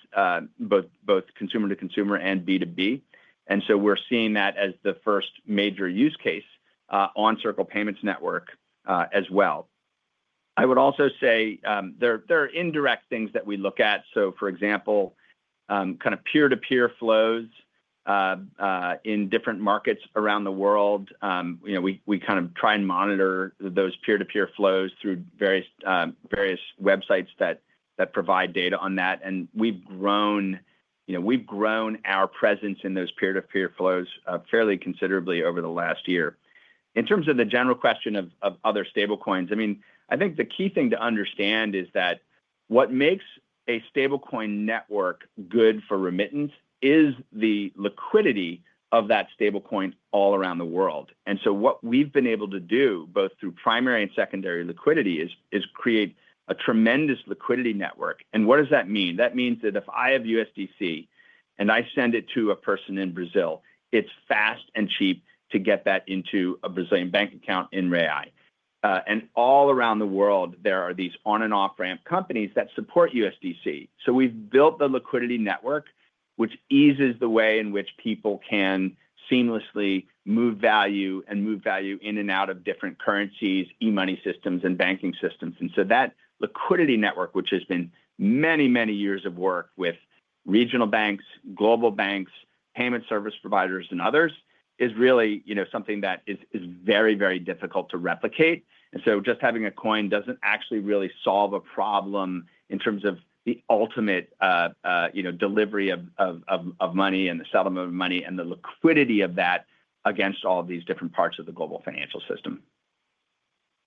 both consumer-to-consumer and B2B. We're seeing that as the first major use case on Circle Payments Network as well. I would also say there are indirect things that we look at. For example, kind of peer-to-peer flows in different markets around the world. You know, we kind of try and monitor those peer-to-peer flows through various websites that provide data on that. We've grown, you know, we've grown our presence in those peer-to-peer flows fairly considerably over the last year. In terms of the general question of other stablecoins, I mean, I think the key thing to understand is that what makes a stablecoin network good for remittance is the liquidity of that stablecoin all around the world. What we've been able to do, both through primary and secondary liquidity, is create a tremendous liquidity network. What does that mean? That means that if I have USDC and I send it to a person in Brazil, it's fast and cheap to get that into a Brazilian bank account in [real.] All around the world, there are these on-and-off ramp companies that support USDC. We've built the liquidity network, which eases the way in which people can seamlessly move value and move value in and out of different currencies, e-money systems, and banking systems. That liquidity network, which has been many, many years of work with regional banks, global banks, payment service providers, and others, is really something that is very, very difficult to replicate. Just having a coin doesn't actually really solve a problem in terms of the ultimate delivery of money and the settlement of money and the liquidity of that against all of these different parts of the global financial system.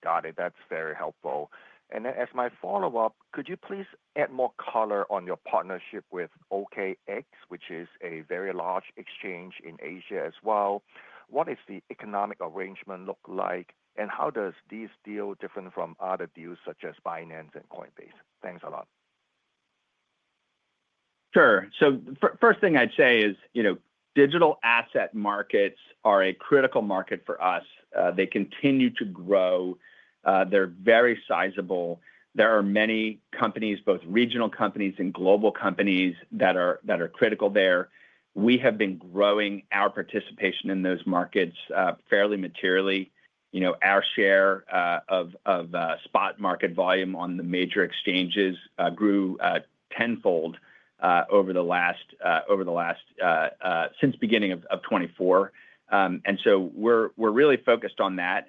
Got it. That's very helpful. As my follow-up, could you please add more color on your partnership with OKX, which is a very large exchange in Asia as well? What does the economic arrangement look like, and how does this deal differ from other deals such as Binance and Coinbase? Thanks a lot. Sure. The first thing I'd say is, you know, digital asset markets are a critical market for us. They continue to grow. They're very sizable. There are many companies, both regional companies and global companies, that are critical there. We have been growing our participation in those markets, fairly materially. You know, our share of spot market volume on the major exchanges grew 10 fold over the last, since the beginning of 2024. We're really focused on that.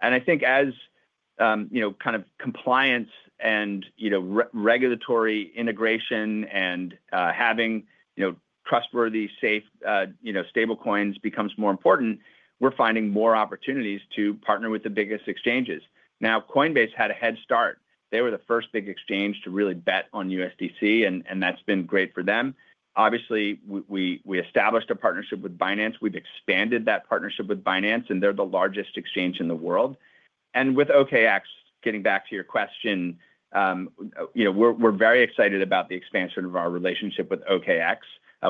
I think as compliance and regulatory integration and having trustworthy, safe stablecoins becomes more important, we're finding more opportunities to partner with the biggest exchanges. Now, Coinbase had a head start. They were the first big exchange to really bet on USDC, and that's been great for them. Obviously, we established a partnership with Binance. We've expanded that partnership with Binance, and they're the largest exchange in the world. With OKX, getting back to your question, we're very excited about the expansion of our relationship with OKX.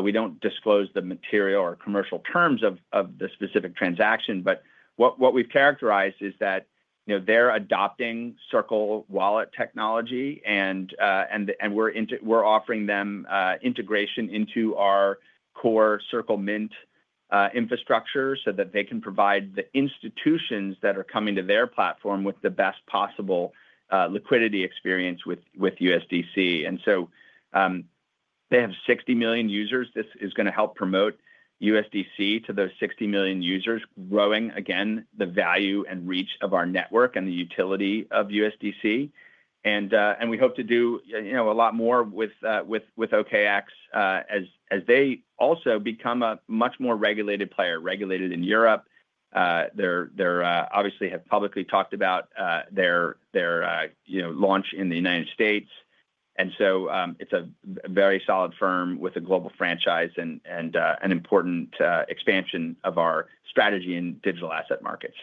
We don't disclose the material or commercial terms of the specific transaction, but what we've characterized is that they're adopting Circle Wallet technology, and we're offering them integration into our core Circle Mint infrastructure so that they can provide the institutions that are coming to their platform with the best possible liquidity experience with USDC. They have 60 million users. This is going to help promote USDC to those 60 million users, growing again the value and reach of our network and the utility of USDC. We hope to do a lot more with OKX, as they also become a much more regulated player, regulated in Europe. They obviously have publicly talked about their launch in the United States. It's a very solid firm with a global franchise and an important expansion of our strategy in digital asset markets.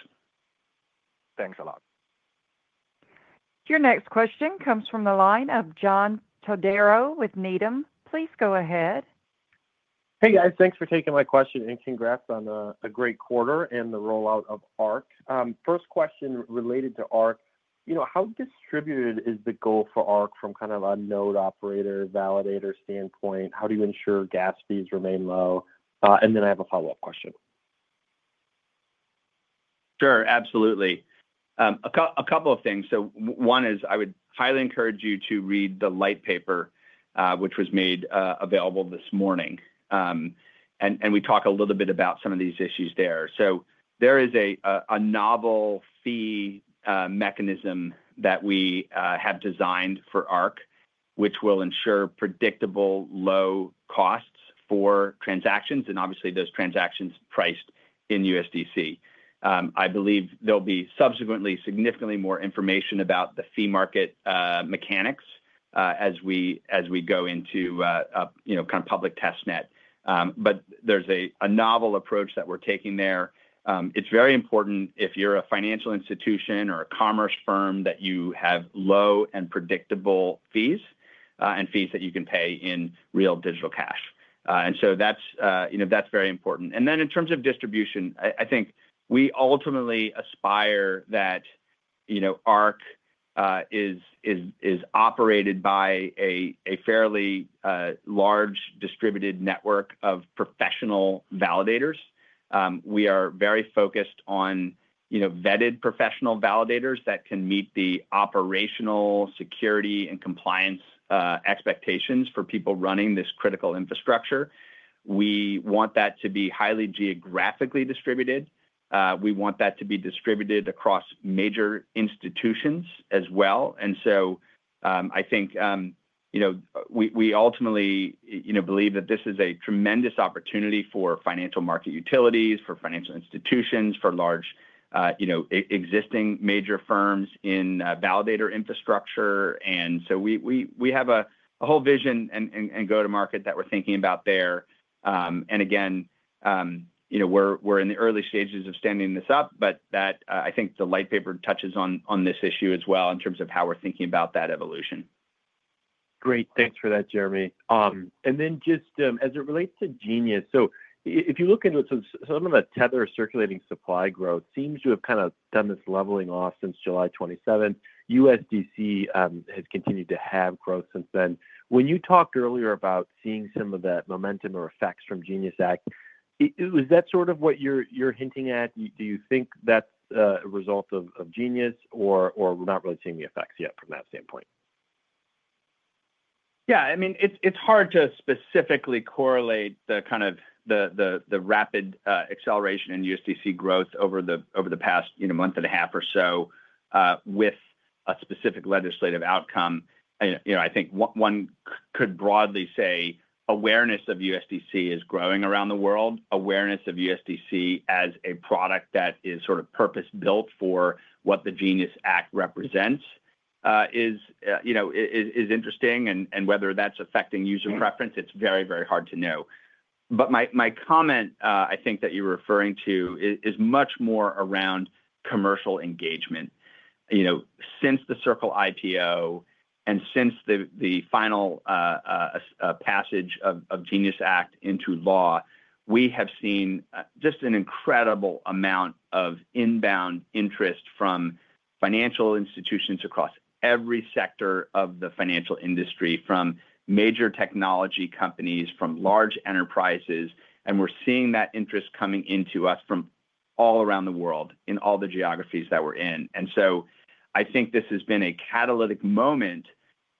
Thanks a lot. Your next question comes from the line of John Todaro with Needham. Please go ahead. Hey guys, thanks for taking my question and congrats on a great quarter and the rollout of Arc. First question related to Arc. You know, how distributed is the goal for Arc from kind of a node operator validator standpoint? How do you ensure gas fees remain low? I have a follow-up question. Sure, absolutely. A couple of things. One is I would highly encourage you to read the light paper, which was made available this morning. We talk a little bit about some of these issues there. There is a novel fee mechanism that we have designed for Arc, which will ensure predictable low costs for transactions, and obviously those transactions are priced in USDC. I believe there will be subsequently significantly more information about the fee market mechanics as we go into public Testnet. There is a novel approach that we're taking there. It's very important if you're a financial institution or a commerce firm that you have low and predictable fees, and fees that you can pay in real digital cash. That's very important. In terms of distribution, I think we ultimately aspire that Arc is operated by a fairly large distributed network of professional validators. We are very focused on vetted professional validators that can meet the operational security and compliance expectations for people running this critical infrastructure. We want that to be highly geographically distributed. We want that to be distributed across major institutions as well. I think we ultimately believe that this is a tremendous opportunity for financial market utilities, for financial institutions, for large existing major firms in validator infrastructure. We have a whole vision and go to market that we're thinking about there. We're in the early stages of standing this up, but I think the light paper touches on this issue as well in terms of how we're thinking about that evolution. Great. Thanks for that, Jeremy. As it relates to Genius, if you look into it, some of the Tether circulating supply growth seems to have kind of done this leveling off since July 27. USDC has continued to have growth since then. When you talked earlier about seeing some of that momentum or effects from Genius Act, is that what you're hinting at? Do you think that's a result of Genius, or are we not really seeing the effects yet from that standpoint? Yeah, I mean, it's hard to specifically correlate the kind of rapid acceleration in USDC growth over the past month and a half or so with a specific legislative outcome. I think one could broadly say awareness of USDC is growing around the world. Awareness of USDC as a product that is sort of purpose-built for what the Genius Act represents is interesting. Whether that's affecting user preference, it's very hard to know. My comment, I think that you're referring to, is much more around commercial engagement. Since the Circle IPO and since the final passage of Genius Act into law, we have seen just an incredible amount of inbound interest from financial institutions across every sector of the financial industry, from major technology companies, from large enterprises, and we're seeing that interest coming into us from all around the world in all the geographies that we're in. I think this has been a catalytic moment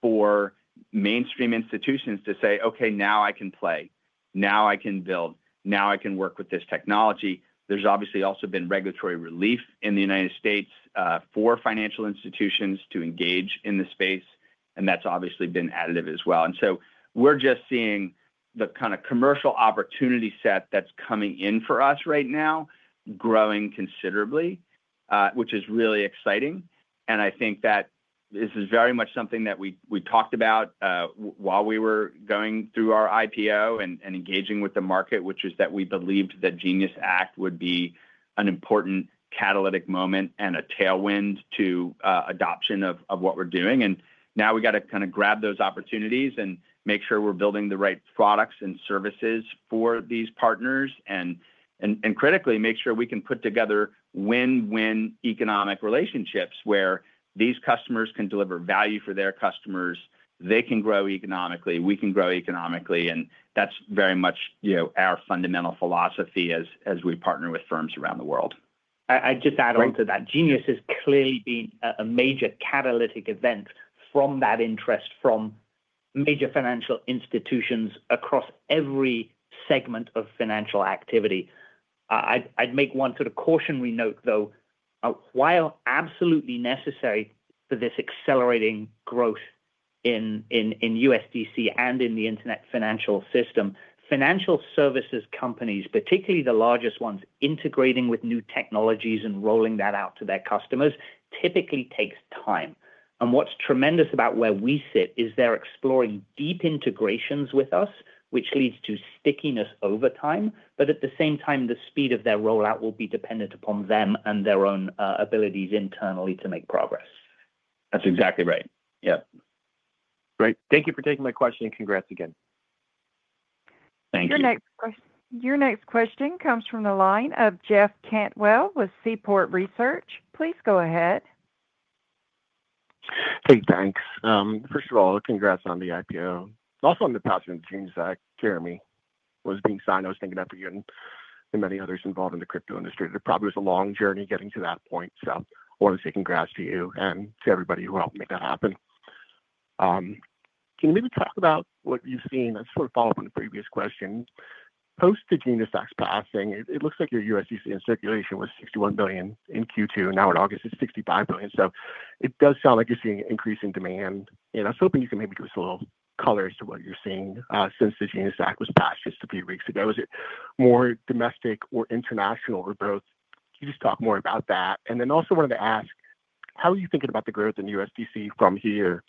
for mainstream institutions to say, okay, now I can play. Now I can build. Now I can work with this technology. There's obviously also been regulatory relief in the United States for financial institutions to engage in the space, and that's obviously been additive as well. We're just seeing the kind of commercial opportunity set that's coming in for us right now growing considerably, which is really exciting. I think that this is very much something that we talked about while we were going through our IPO and engaging with the market, which is that we believed that Genius Act would be an important catalytic moment and a tailwind to adoption of what we're doing. Now we got to kind of grab those opportunities and make sure we're building the right products and services for these partners and critically make sure we can put together win-win economic relationships where these customers can deliver value for their customers, they can grow economically, we can grow economically, and that's very much our fundamental philosophy as we partner with firms around the world. I just add on to that. Genius has clearly been a major catalytic event from that interest from major financial institutions across every segment of financial activity. I'd make one sort of cautionary note though, while absolutely necessary for this accelerating growth in USDC and in the internet financial system, financial services companies, particularly the largest ones, integrating with new technologies and rolling that out to their customers typically takes time. What's tremendous about where we sit is they're exploring deep integrations with us, which leads to stickiness over time, but at the same time, the speed of their rollout will be dependent upon them and their own abilities internally to make progress. That's exactly right. Yeah. Great. Thank you for taking my question and congrats again. Thank you. Your next question comes from the line of Jeff Cantwell with Seaport Research. Please go ahead. Hey, thanks. First of all, congrats on the IPO. I was also in the classroom with Genius Act, Jeremy, was being signed. I was thanking FPU and many others involved in the crypto industry. There probably was a long journey getting to that point. I want to say congrats to you and to everybody who helped make that happen. Can you maybe talk about what you've seen? I just want to follow up on the previous question. Post the Genius Act's passing, it looks like your USDC in circulation was $61 billion in Q2. Now in August, it's $65 billion. It does sound like you're seeing an increase in demand. I was hoping you could maybe give us a little color as to what you're seeing, since the Genius Act was passed just a few weeks ago. Is it more domestic or international or both? Can you just talk more about that? I also wanted to ask, how are you thinking about the growth in USDC from here?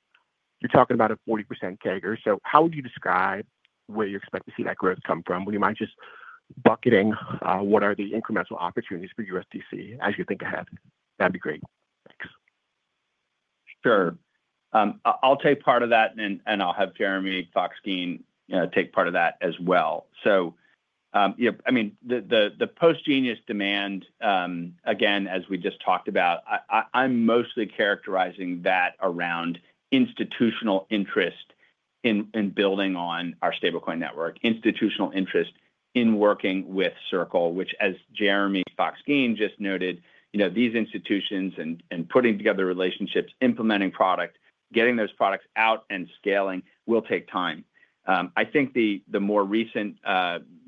You're talking about a 40% CAGR. How would you describe where you expect to see that growth come from? Would you mind just bucketing, what are the incremental opportunities for USDC as you think ahead? That'd be great. Thanks. Sure. I'll take part of that and I'll have Jeremy Fox-Geen take part of that as well. The post-Genius demand, again, as we just talked about, I'm mostly characterizing that around institutional interest in building on our stablecoin network, institutional interest in working with Circle, which, as Jeremy Fox-Geen just noted, these institutions and putting together relationships, implementing product, getting those products out and scaling will take time. I think the more recent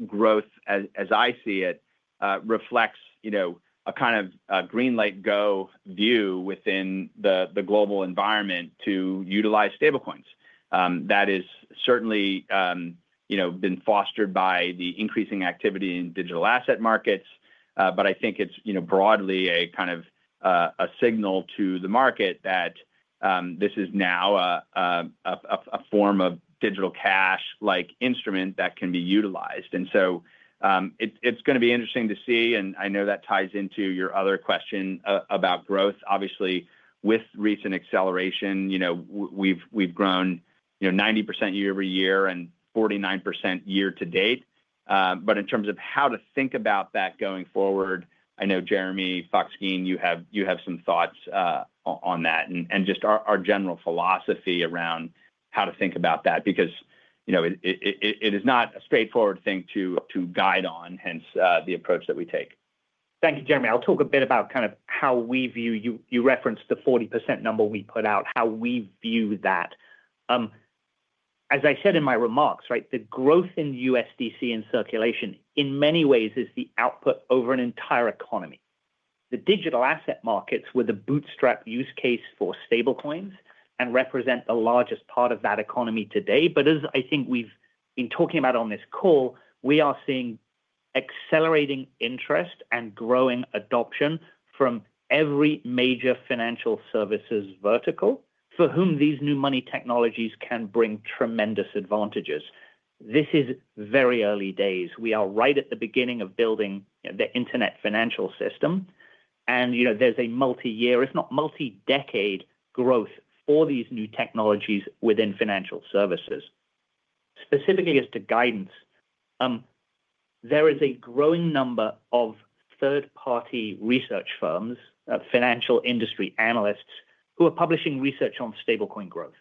growth, as I see it, reflects a kind of green light go view within the global environment to utilize stablecoins. That is certainly been fostered by the increasing activity in digital asset markets. I think it's broadly a kind of signal to the market that this is now a form of digital cash-like instrument that can be utilized. It's going to be interesting to see, and I know that ties into your other question about growth. Obviously, with recent acceleration, we've grown 90% year-over-year and 49% year-to-date. In terms of how to think about that going forward, I know Jeremy Fox-Geen, you have some thoughts on that and just our general philosophy around how to think about that because it is not a straightforward thing to guide on, hence the approach that we take. Thank you, Jeremy. I'll talk a bit about kind of how we view, you referenced the 40% number we put out, how we view that. As I said in my remarks, the growth in USDC in circulation in many ways is the output over an entire economy. The digital asset markets were the bootstrap use case for stablecoins and represent the largest part of that economy today. As I think we've been talking about on this call, we are seeing accelerating interest and growing adoption from every major financial services vertical for whom these new money technologies can bring tremendous advantages. This is very early days. We are right at the beginning of building the internet financial system. There's a multi-year, if not multi-decade, growth for these new technologies within financial services. Specifically as to guidance, there is a growing number of third-party research firms, financial industry analysts who are publishing research on stablecoin growth.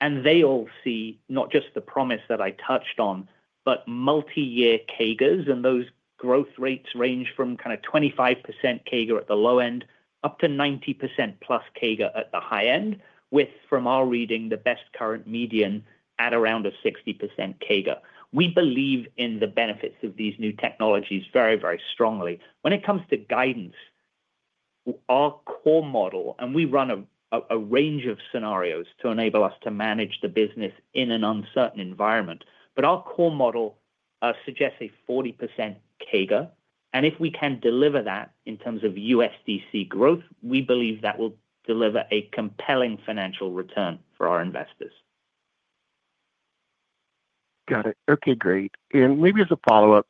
They all see not just the promise that I touched on, but multi-year CAGRs, and those growth rates range from 25% CAGR at the low end up to 90%+ CAGR at the high end, with, from our reading, the best current median at around a 60% CAGR. We believe in the benefits of these new technologies very, very strongly. When it comes to guidance, our core model, and we run a range of scenarios to enable us to manage the business in an uncertain environment, but our core model suggests a 40% CAGR. If we can deliver that in terms of USDC growth, we believe that will deliver a compelling financial return for our investors. Got it. Okay, great. Maybe as a follow-up,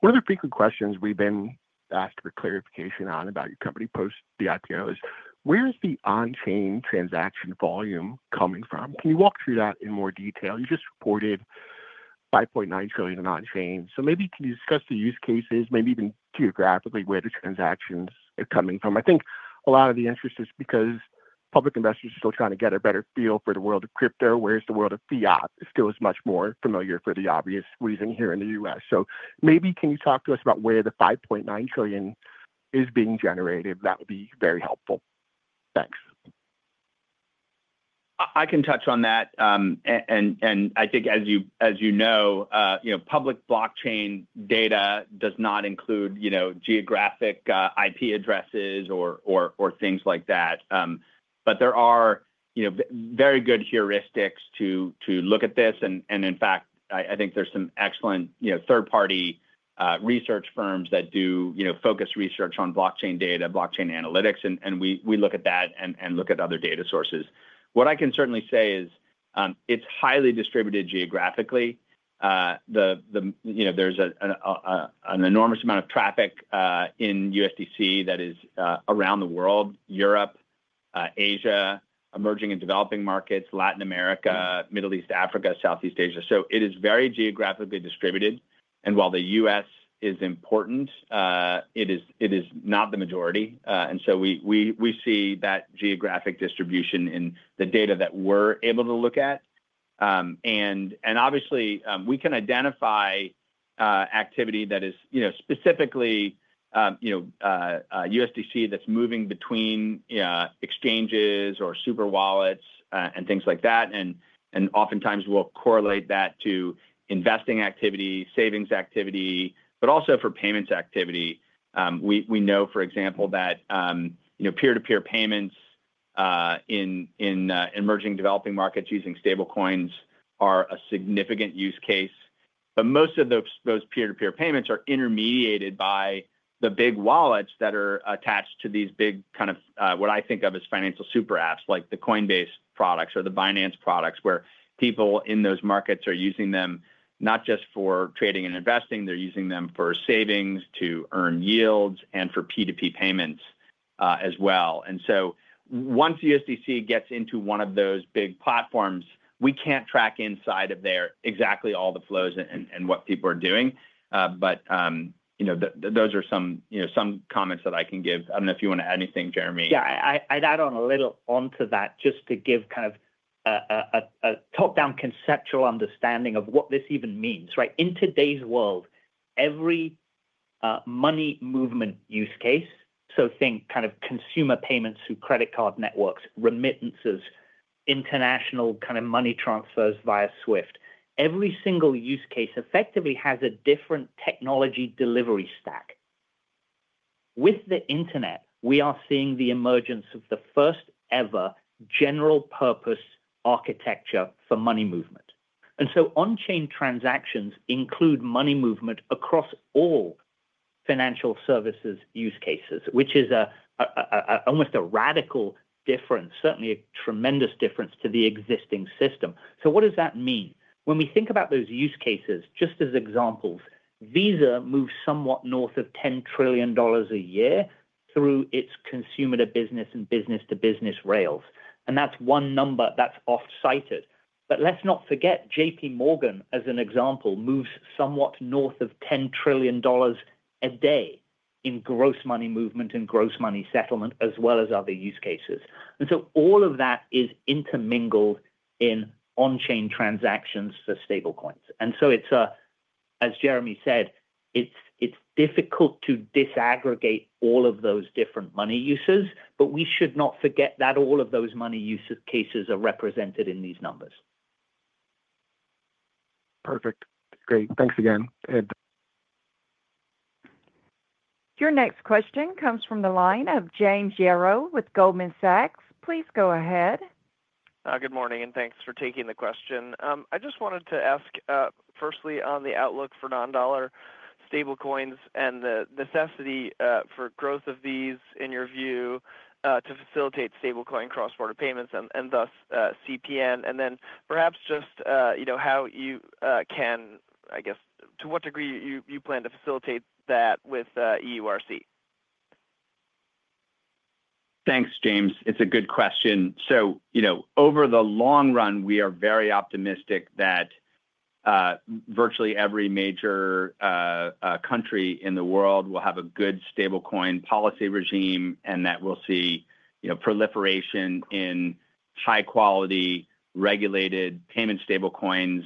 one of the frequent questions we've been asked for clarification on about your company post the IPO is where is the on-chain transaction volume coming from? Can you walk through that in more detail? You just reported $5.9 trillion in on-chain. Maybe can you discuss the use cases, maybe even geographically where the transactions are coming from? I think a lot of the interest is because public investors are still trying to get a better feel for the world of crypto, whereas the world of fiat still is much more familiar for the obvious reason here in the U.S. Maybe can you talk to us about where the $5.9 trillion is being generated? That would be very helpful. Thanks. I can touch on that. I think as you know, public blockchain data does not include geographic IP addresses or things like that. There are very good heuristics to look at this. In fact, I think there's some excellent third-party research firms that do focused research on blockchain data, blockchain analytics, and we look at that and look at other data sources. What I can certainly say is, it's highly distributed geographically. There's an enormous amount of traffic in USDC that is around the world: Europe, Asia, emerging and developing markets, Latin America, Middle East, Africa, Southeast Asia. It is very geographically distributed. While the U.S. is important, it is not the majority. We see that geographic distribution in the data that we're able to look at. Obviously, we can identify activity that is specifically USDC that's moving between exchanges or super wallets and things like that. Oftentimes we'll correlate that to investing activity, savings activity, but also for payments activity. We know, for example, that peer-to-peer payments in emerging developing markets using stablecoins are a significant use case. Most of those peer-to-peer payments are intermediated by the big wallets that are attached to these big kind of financial super apps, like the Coinbase products or the Binance products, where people in those markets are using them not just for trading and investing, they're using them for savings to earn yields and for P2P payments as well. Once USDC gets into one of those big platforms, we can't track inside of there exactly all the flows and what people are doing. Those are some comments that I can give. I don't know if you want to add anything, Jeremy. Yeah, I'd add on a little onto that just to give kind of a top-down conceptual understanding of what this even means, right? In today's world, every money movement use case, so think kind of consumer payments through credit card networks, remittances, international kind of money transfers via SWIFT. Every single use case effectively has a different technology delivery stack. With the internet, we are seeing the emergence of the first ever general purpose architecture for money movement. On-chain transactions include money movement across all financial services use cases which is almost a radical difference, certainly a tremendous difference to the existing system. What does that mean? When we think about those use cases, just as examples, Visa moves somewhat north of $10 trillion a year through its consumer-to-business and business-to-business rails. That's one number that's oft-cited. Let's not forget JPMorgan, as an example, moves somewhat north of $10 trillion a day in gross money movement and gross money settlement, as well as other use cases. All of that is intermingled in on-chain transactions for stablecoins. As Jeremy said, it's difficult to disaggregate all of those different money uses, but we should not forget that all of those money use cases are represented in these numbers. Perfect. Great. Thanks again. Your next question comes from the line of James Yaro with Goldman Sachs. Please go ahead. Good morning, and thanks for taking the question. I just wanted to ask, firstly, on the outlook for non-dollar stablecoins and the necessity for growth of these, in your view, to facilitate stablecoin cross-border payments and thus CPN, and then perhaps just how you can, I guess, to what degree you plan to facilitate that with EURC? Thanks, James. It's a good question. Over the long run, we are very optimistic that virtually every major country in the world will have a good stablecoin policy regime and that we'll see proliferation in high-quality, regulated payment stablecoins.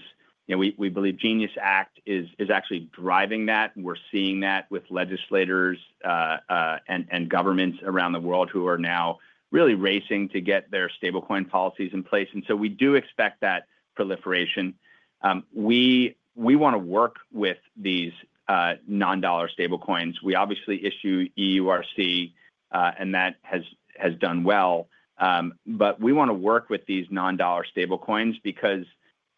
We believe Genius Act is actually driving that. We're seeing that with legislators and governments around the world who are now really racing to get their stablecoin policies in place. We do expect that proliferation. We want to work with these non-dollar stablecoins. We obviously issue EURC, and that has done well. We want to work with these non-dollar stablecoins because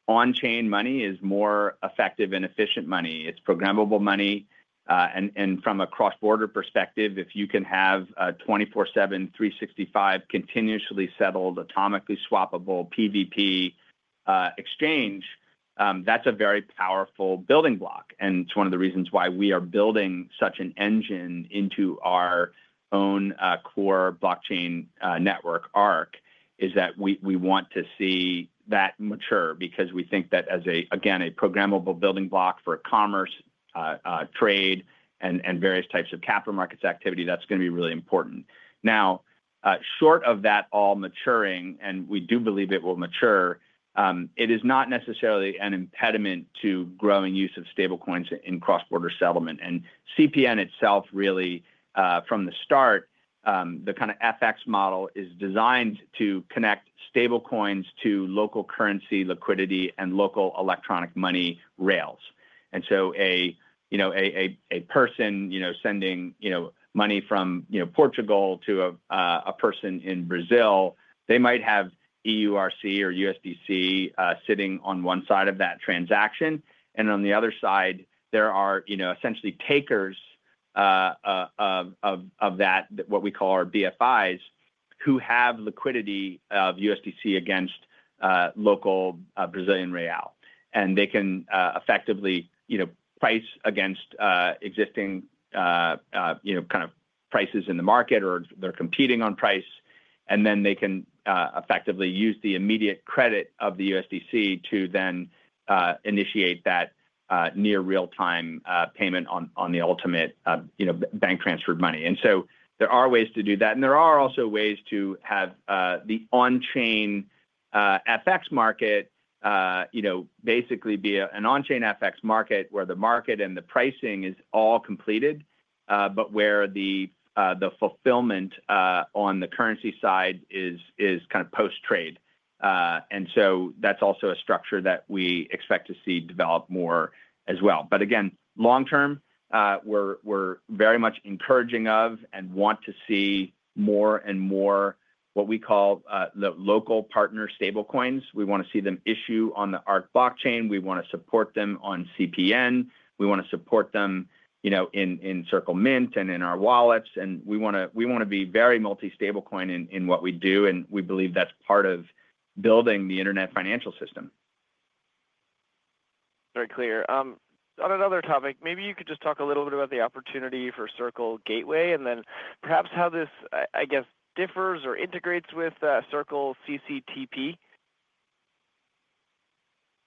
on-chain money is more effective and efficient money. It's programmable money. From a cross-border perspective, if you can have a 24/7, 365, continuously settled, atomically swappable PVP exchange, that's a very powerful building block. It's one of the reasons why we are building such an engine into our own core blockchain network, Arc, is that we want to see that mature because we think that as a, again, a programmable building block for commerce, trade, and various types of capital markets activity, that's going to be really important. Short of that all maturing, and we do believe it will mature, it is not necessarily an impediment to growing use of stablecoins in cross-border settlement. CPN itself really, from the start, the kind of FX model is designed to connect stablecoins to local currency liquidity and local electronic money rails. A person sending money from Portugal to a person in Brazil, they might have EURC or USDC sitting on one side of that transaction. On the other side, there are essentially takers of that, what we call our BFIs, who have liquidity of USDC against local Brazilian real. They can effectively price against existing kind of prices in the market, or they're competing on price. They can effectively use the immediate credit of the USDC to then initiate that near real-time payment on the ultimate bank transfer money. There are ways to do that. There are also ways to have the on-chain FX market basically be an on-chain FX market where the market and the pricing is all completed, but where the fulfillment on the currency side is kind of post-trade. That's also a structure that we expect to see develop more as well. Long-term, we're very much encouraging of and want to see more and more what we call the local partner stablecoins. We want to see them issue on the Arc blockchain. We want to support them on CPN. We want to support them in Circle Mint and in our wallets. We want to be very multi-stablecoin in what we do. We believe that's part of building the internet financial system. Very clear. On another topic, maybe you could just talk a little bit about the opportunity for Circle Gateway and then perhaps how this, I guess, differs or integrates with Circle CCTP.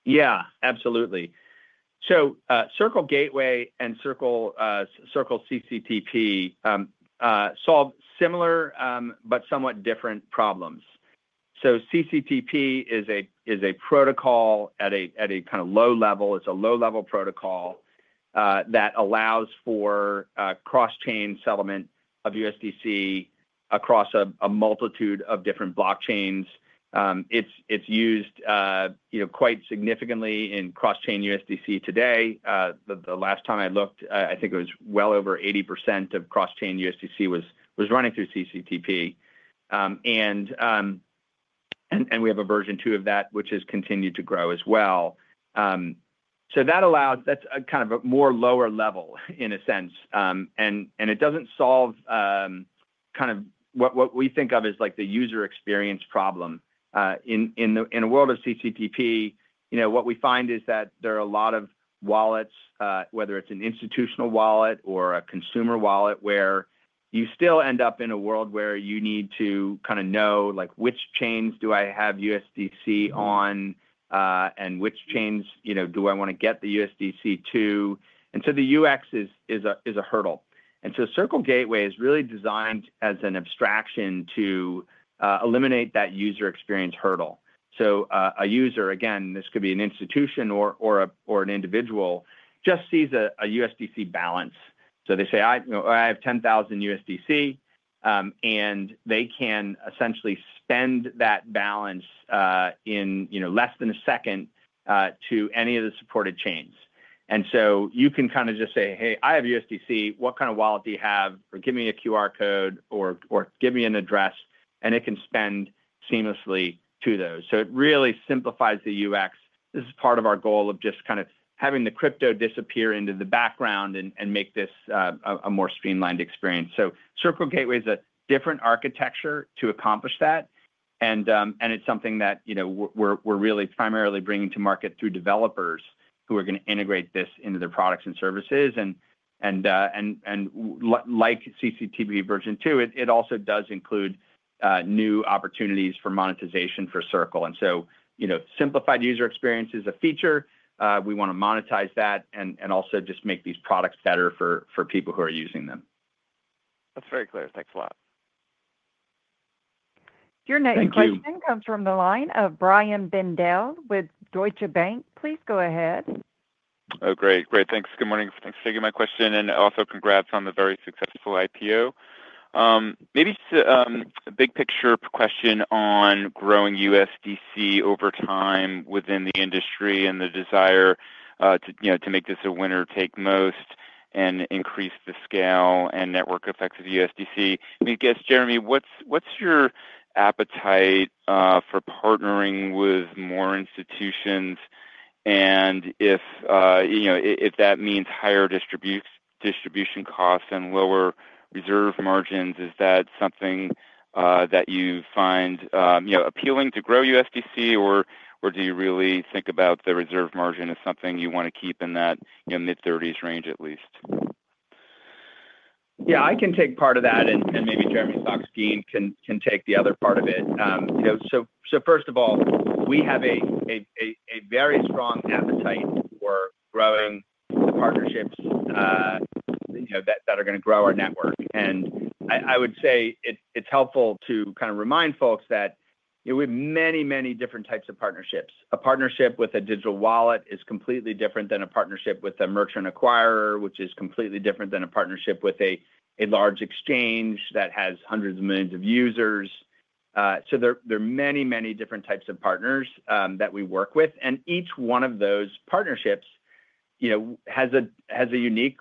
Yeah, absolutely. Circle Gateway and Circle CCTP solve similar but somewhat different problems. CCTP is a protocol at a kind of low level. It's a low-level protocol that allows for cross-chain settlement of USDC across a multitude of different blockchains. It's used quite significantly in cross-chain USDC today. The last time I looked, I think it was well over 80% of cross-chain USDC was running through CCTP. We have a version two of that, which has continued to grow as well. That allows, that's kind of a more lower level in a sense. It doesn't solve what we think of as the user experience problem. In a world of CCTP, what we find is that there are a lot of wallets, whether it's an institutional wallet or a consumer wallet, where you still end up in a world where you need to know which chains do I have USDC on and which chains do I want to get the USDC to. The UX is a hurdle. Circle Gateway is really designed as an abstraction to eliminate that user experience hurdle. A user, again, this could be an institution or an individual, just sees a USDC balance. They say, I have 10,000 USDC, and they can essentially spend that balance in less than a second to any of the supported chains. You can just say, hey, I have USDC. What kind of wallet do you have? Or give me a QR code or give me an address. It can spend seamlessly to those. It really simplifies the UX. This is part of our goal of having the crypto disappear into the background and make this a more streamlined experience. Circle Gateway is a different architecture to accomplish that. It's something that we're really primarily bringing to market through developers who are going to integrate this into their products and services. Like CCTP Version 2, it also does include new opportunities for monetization for Circle. Simplified user experience is a feature. We want to monetize that and also just make these products better for people who are using them. That's very clear. Thanks a lot. Your next question comes from the line of Brian Bedell with Deutsche Bank. Please go ahead. Great. Thanks. Good morning. Thanks for taking my question. Also, congrats on the very successful IPO. Maybe just a big picture question on growing USDC over time within the industry and the desire to make this a winner take most and increase the scale and network effects of USDC. I mean, I guess, Jeremy, what's your appetite for partnering with more institutions? If that means higher distribution costs and lower reserve margins, is that something that you find appealing to grow USDC? Do you really think about the reserve margin as something you want to keep in that mid-30% range at least? Yeah, I can take part of that. Maybe Jeremy Fox-Geen can take the other part of it. First of all, we have a very strong appetite for growing the partnerships that are going to grow our network. I would say it's helpful to kind of remind folks that we have many, many different types of partnerships. A partnership with a digital wallet is completely different than a partnership with a merchant acquirer, which is completely different than a partnership with a large exchange that has hundreds of millions of users. There are many, many different types of partners that we work with, and each one of those partnerships has a unique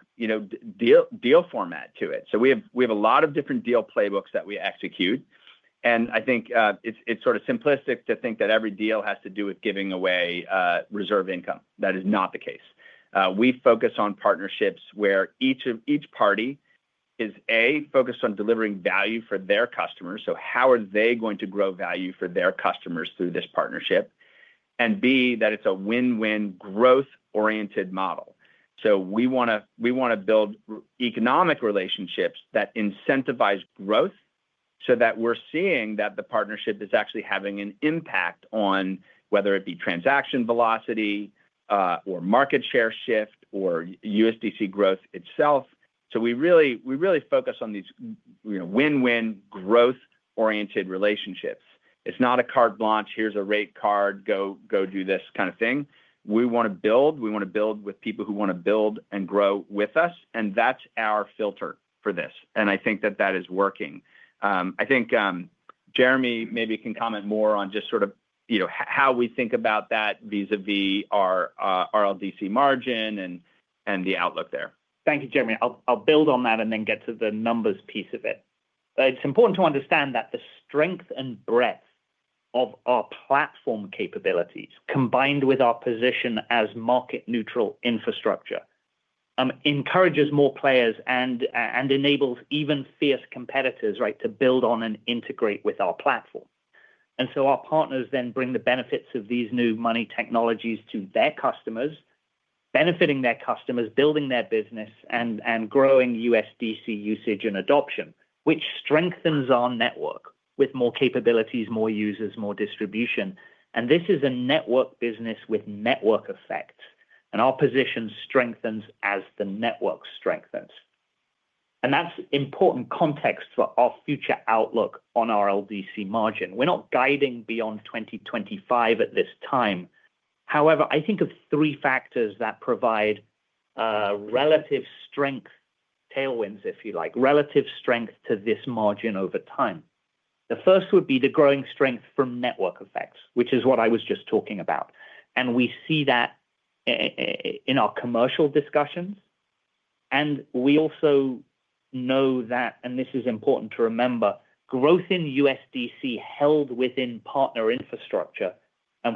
deal format to it. We have a lot of different deal playbooks that we execute. I think it's sort of simplistic to think that every deal has to do with giving away reserve income. That is not the case. We focus on partnerships where each party is, A, focused on delivering value for their customers. How are they going to grow value for their customers through this partnership? B, that it's a win-win growth-oriented model. We want to build economic relationships that incentivize growth so that we're seeing that the partnership is actually having an impact on whether it be transaction velocity or market share shift or USDC growth itself. We really focus on these win-win growth-oriented relationships. It's not a carte blanche, here's a rate card, go do this kind of thing. We want to build. We want to build with people who want to build and grow with us. That's our filter for this. I think that that is working. I think Jeremy maybe can comment more on just sort of how we think about that vis-à-vis our RLDC margin and the outlook there. Thank you, Jeremy. I'll build on that and then get to the numbers piece of it. It's important to understand that the strength and breadth of our platform capabilities, combined with our position as market-neutral infrastructure, encourages more players and enables even fierce competitors to build on and integrate with our platform. Our partners then bring the benefits of these new money technologies to their customers, benefiting their customers, building their business, and growing USDC usage and adoption, which strengthens our network with more capabilities, more users, more distribution. This is a network business with network effects. Our position strengthens as the network strengthens. That's important context for our future outlook on RLDC margin. We're not guiding beyond 2025 at this time. However, I think of three factors that provide relative strength, tailwinds, if you like, relative strength to this margin over time. The first would be the growing strength from network effects, which is what I was just talking about. We see that in our commercial discussions. We also know that, and this is important to remember, growth in USDC held within partner infrastructure,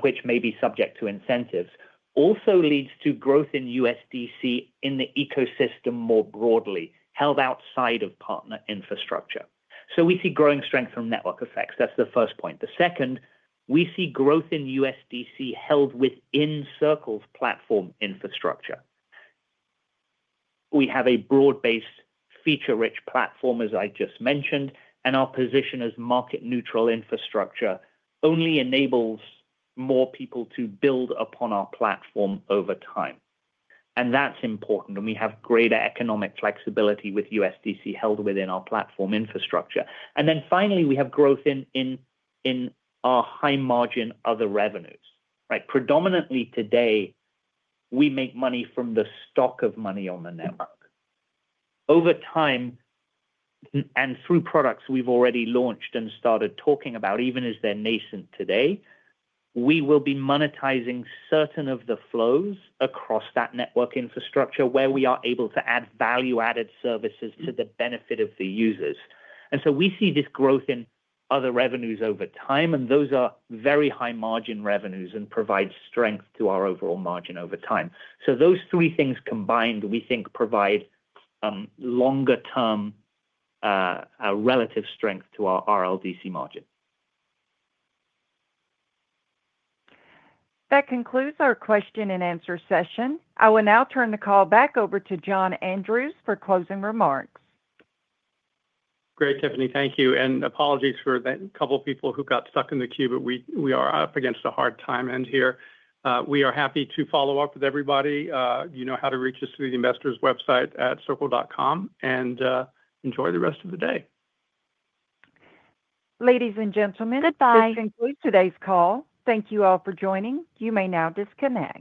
which may be subject to incentives, also leads to growth in USDC in the ecosystem more broadly, held outside of partner infrastructure. We see growing strength from network effects. That's the first point. The second, we see growth in USDC held within Circle's platform infrastructure. We have a broad-based feature-rich platform, as I just mentioned. Our position as market-neutral infrastructure only enables more people to build upon our platform over time. That's important. We have greater economic flexibility with USDC held within our platform infrastructure. Finally, we have growth in our high margin other revenues. Predominantly today, we make money from the stock of money on the network. Over time, and through products we've already launched and started talking about, even as they're nascent today, we will be monetizing certain of the flows across that network infrastructure where we are able to add value-added services to the benefit of the users. We see this growth in other revenues over time. Those are very high margin revenues and provide strength to our overall margin over time. Those three things combined, we think, provide longer-term relative strength to our RLDC margin. That concludes our question-and-answer session. I will now turn the call back over to John Andrews for closing remArcs. Great, Tiffany. Thank you. Apologies for that, a couple of people got stuck in the queue, but we are up against a hard time end here. We are happy to follow up with everybody. You know how to reach us through the investors website at circle.com. Enjoy the rest of the day. Ladies and gentlemen, this concludes today's call. Thank you all for joining. You may now disconnect.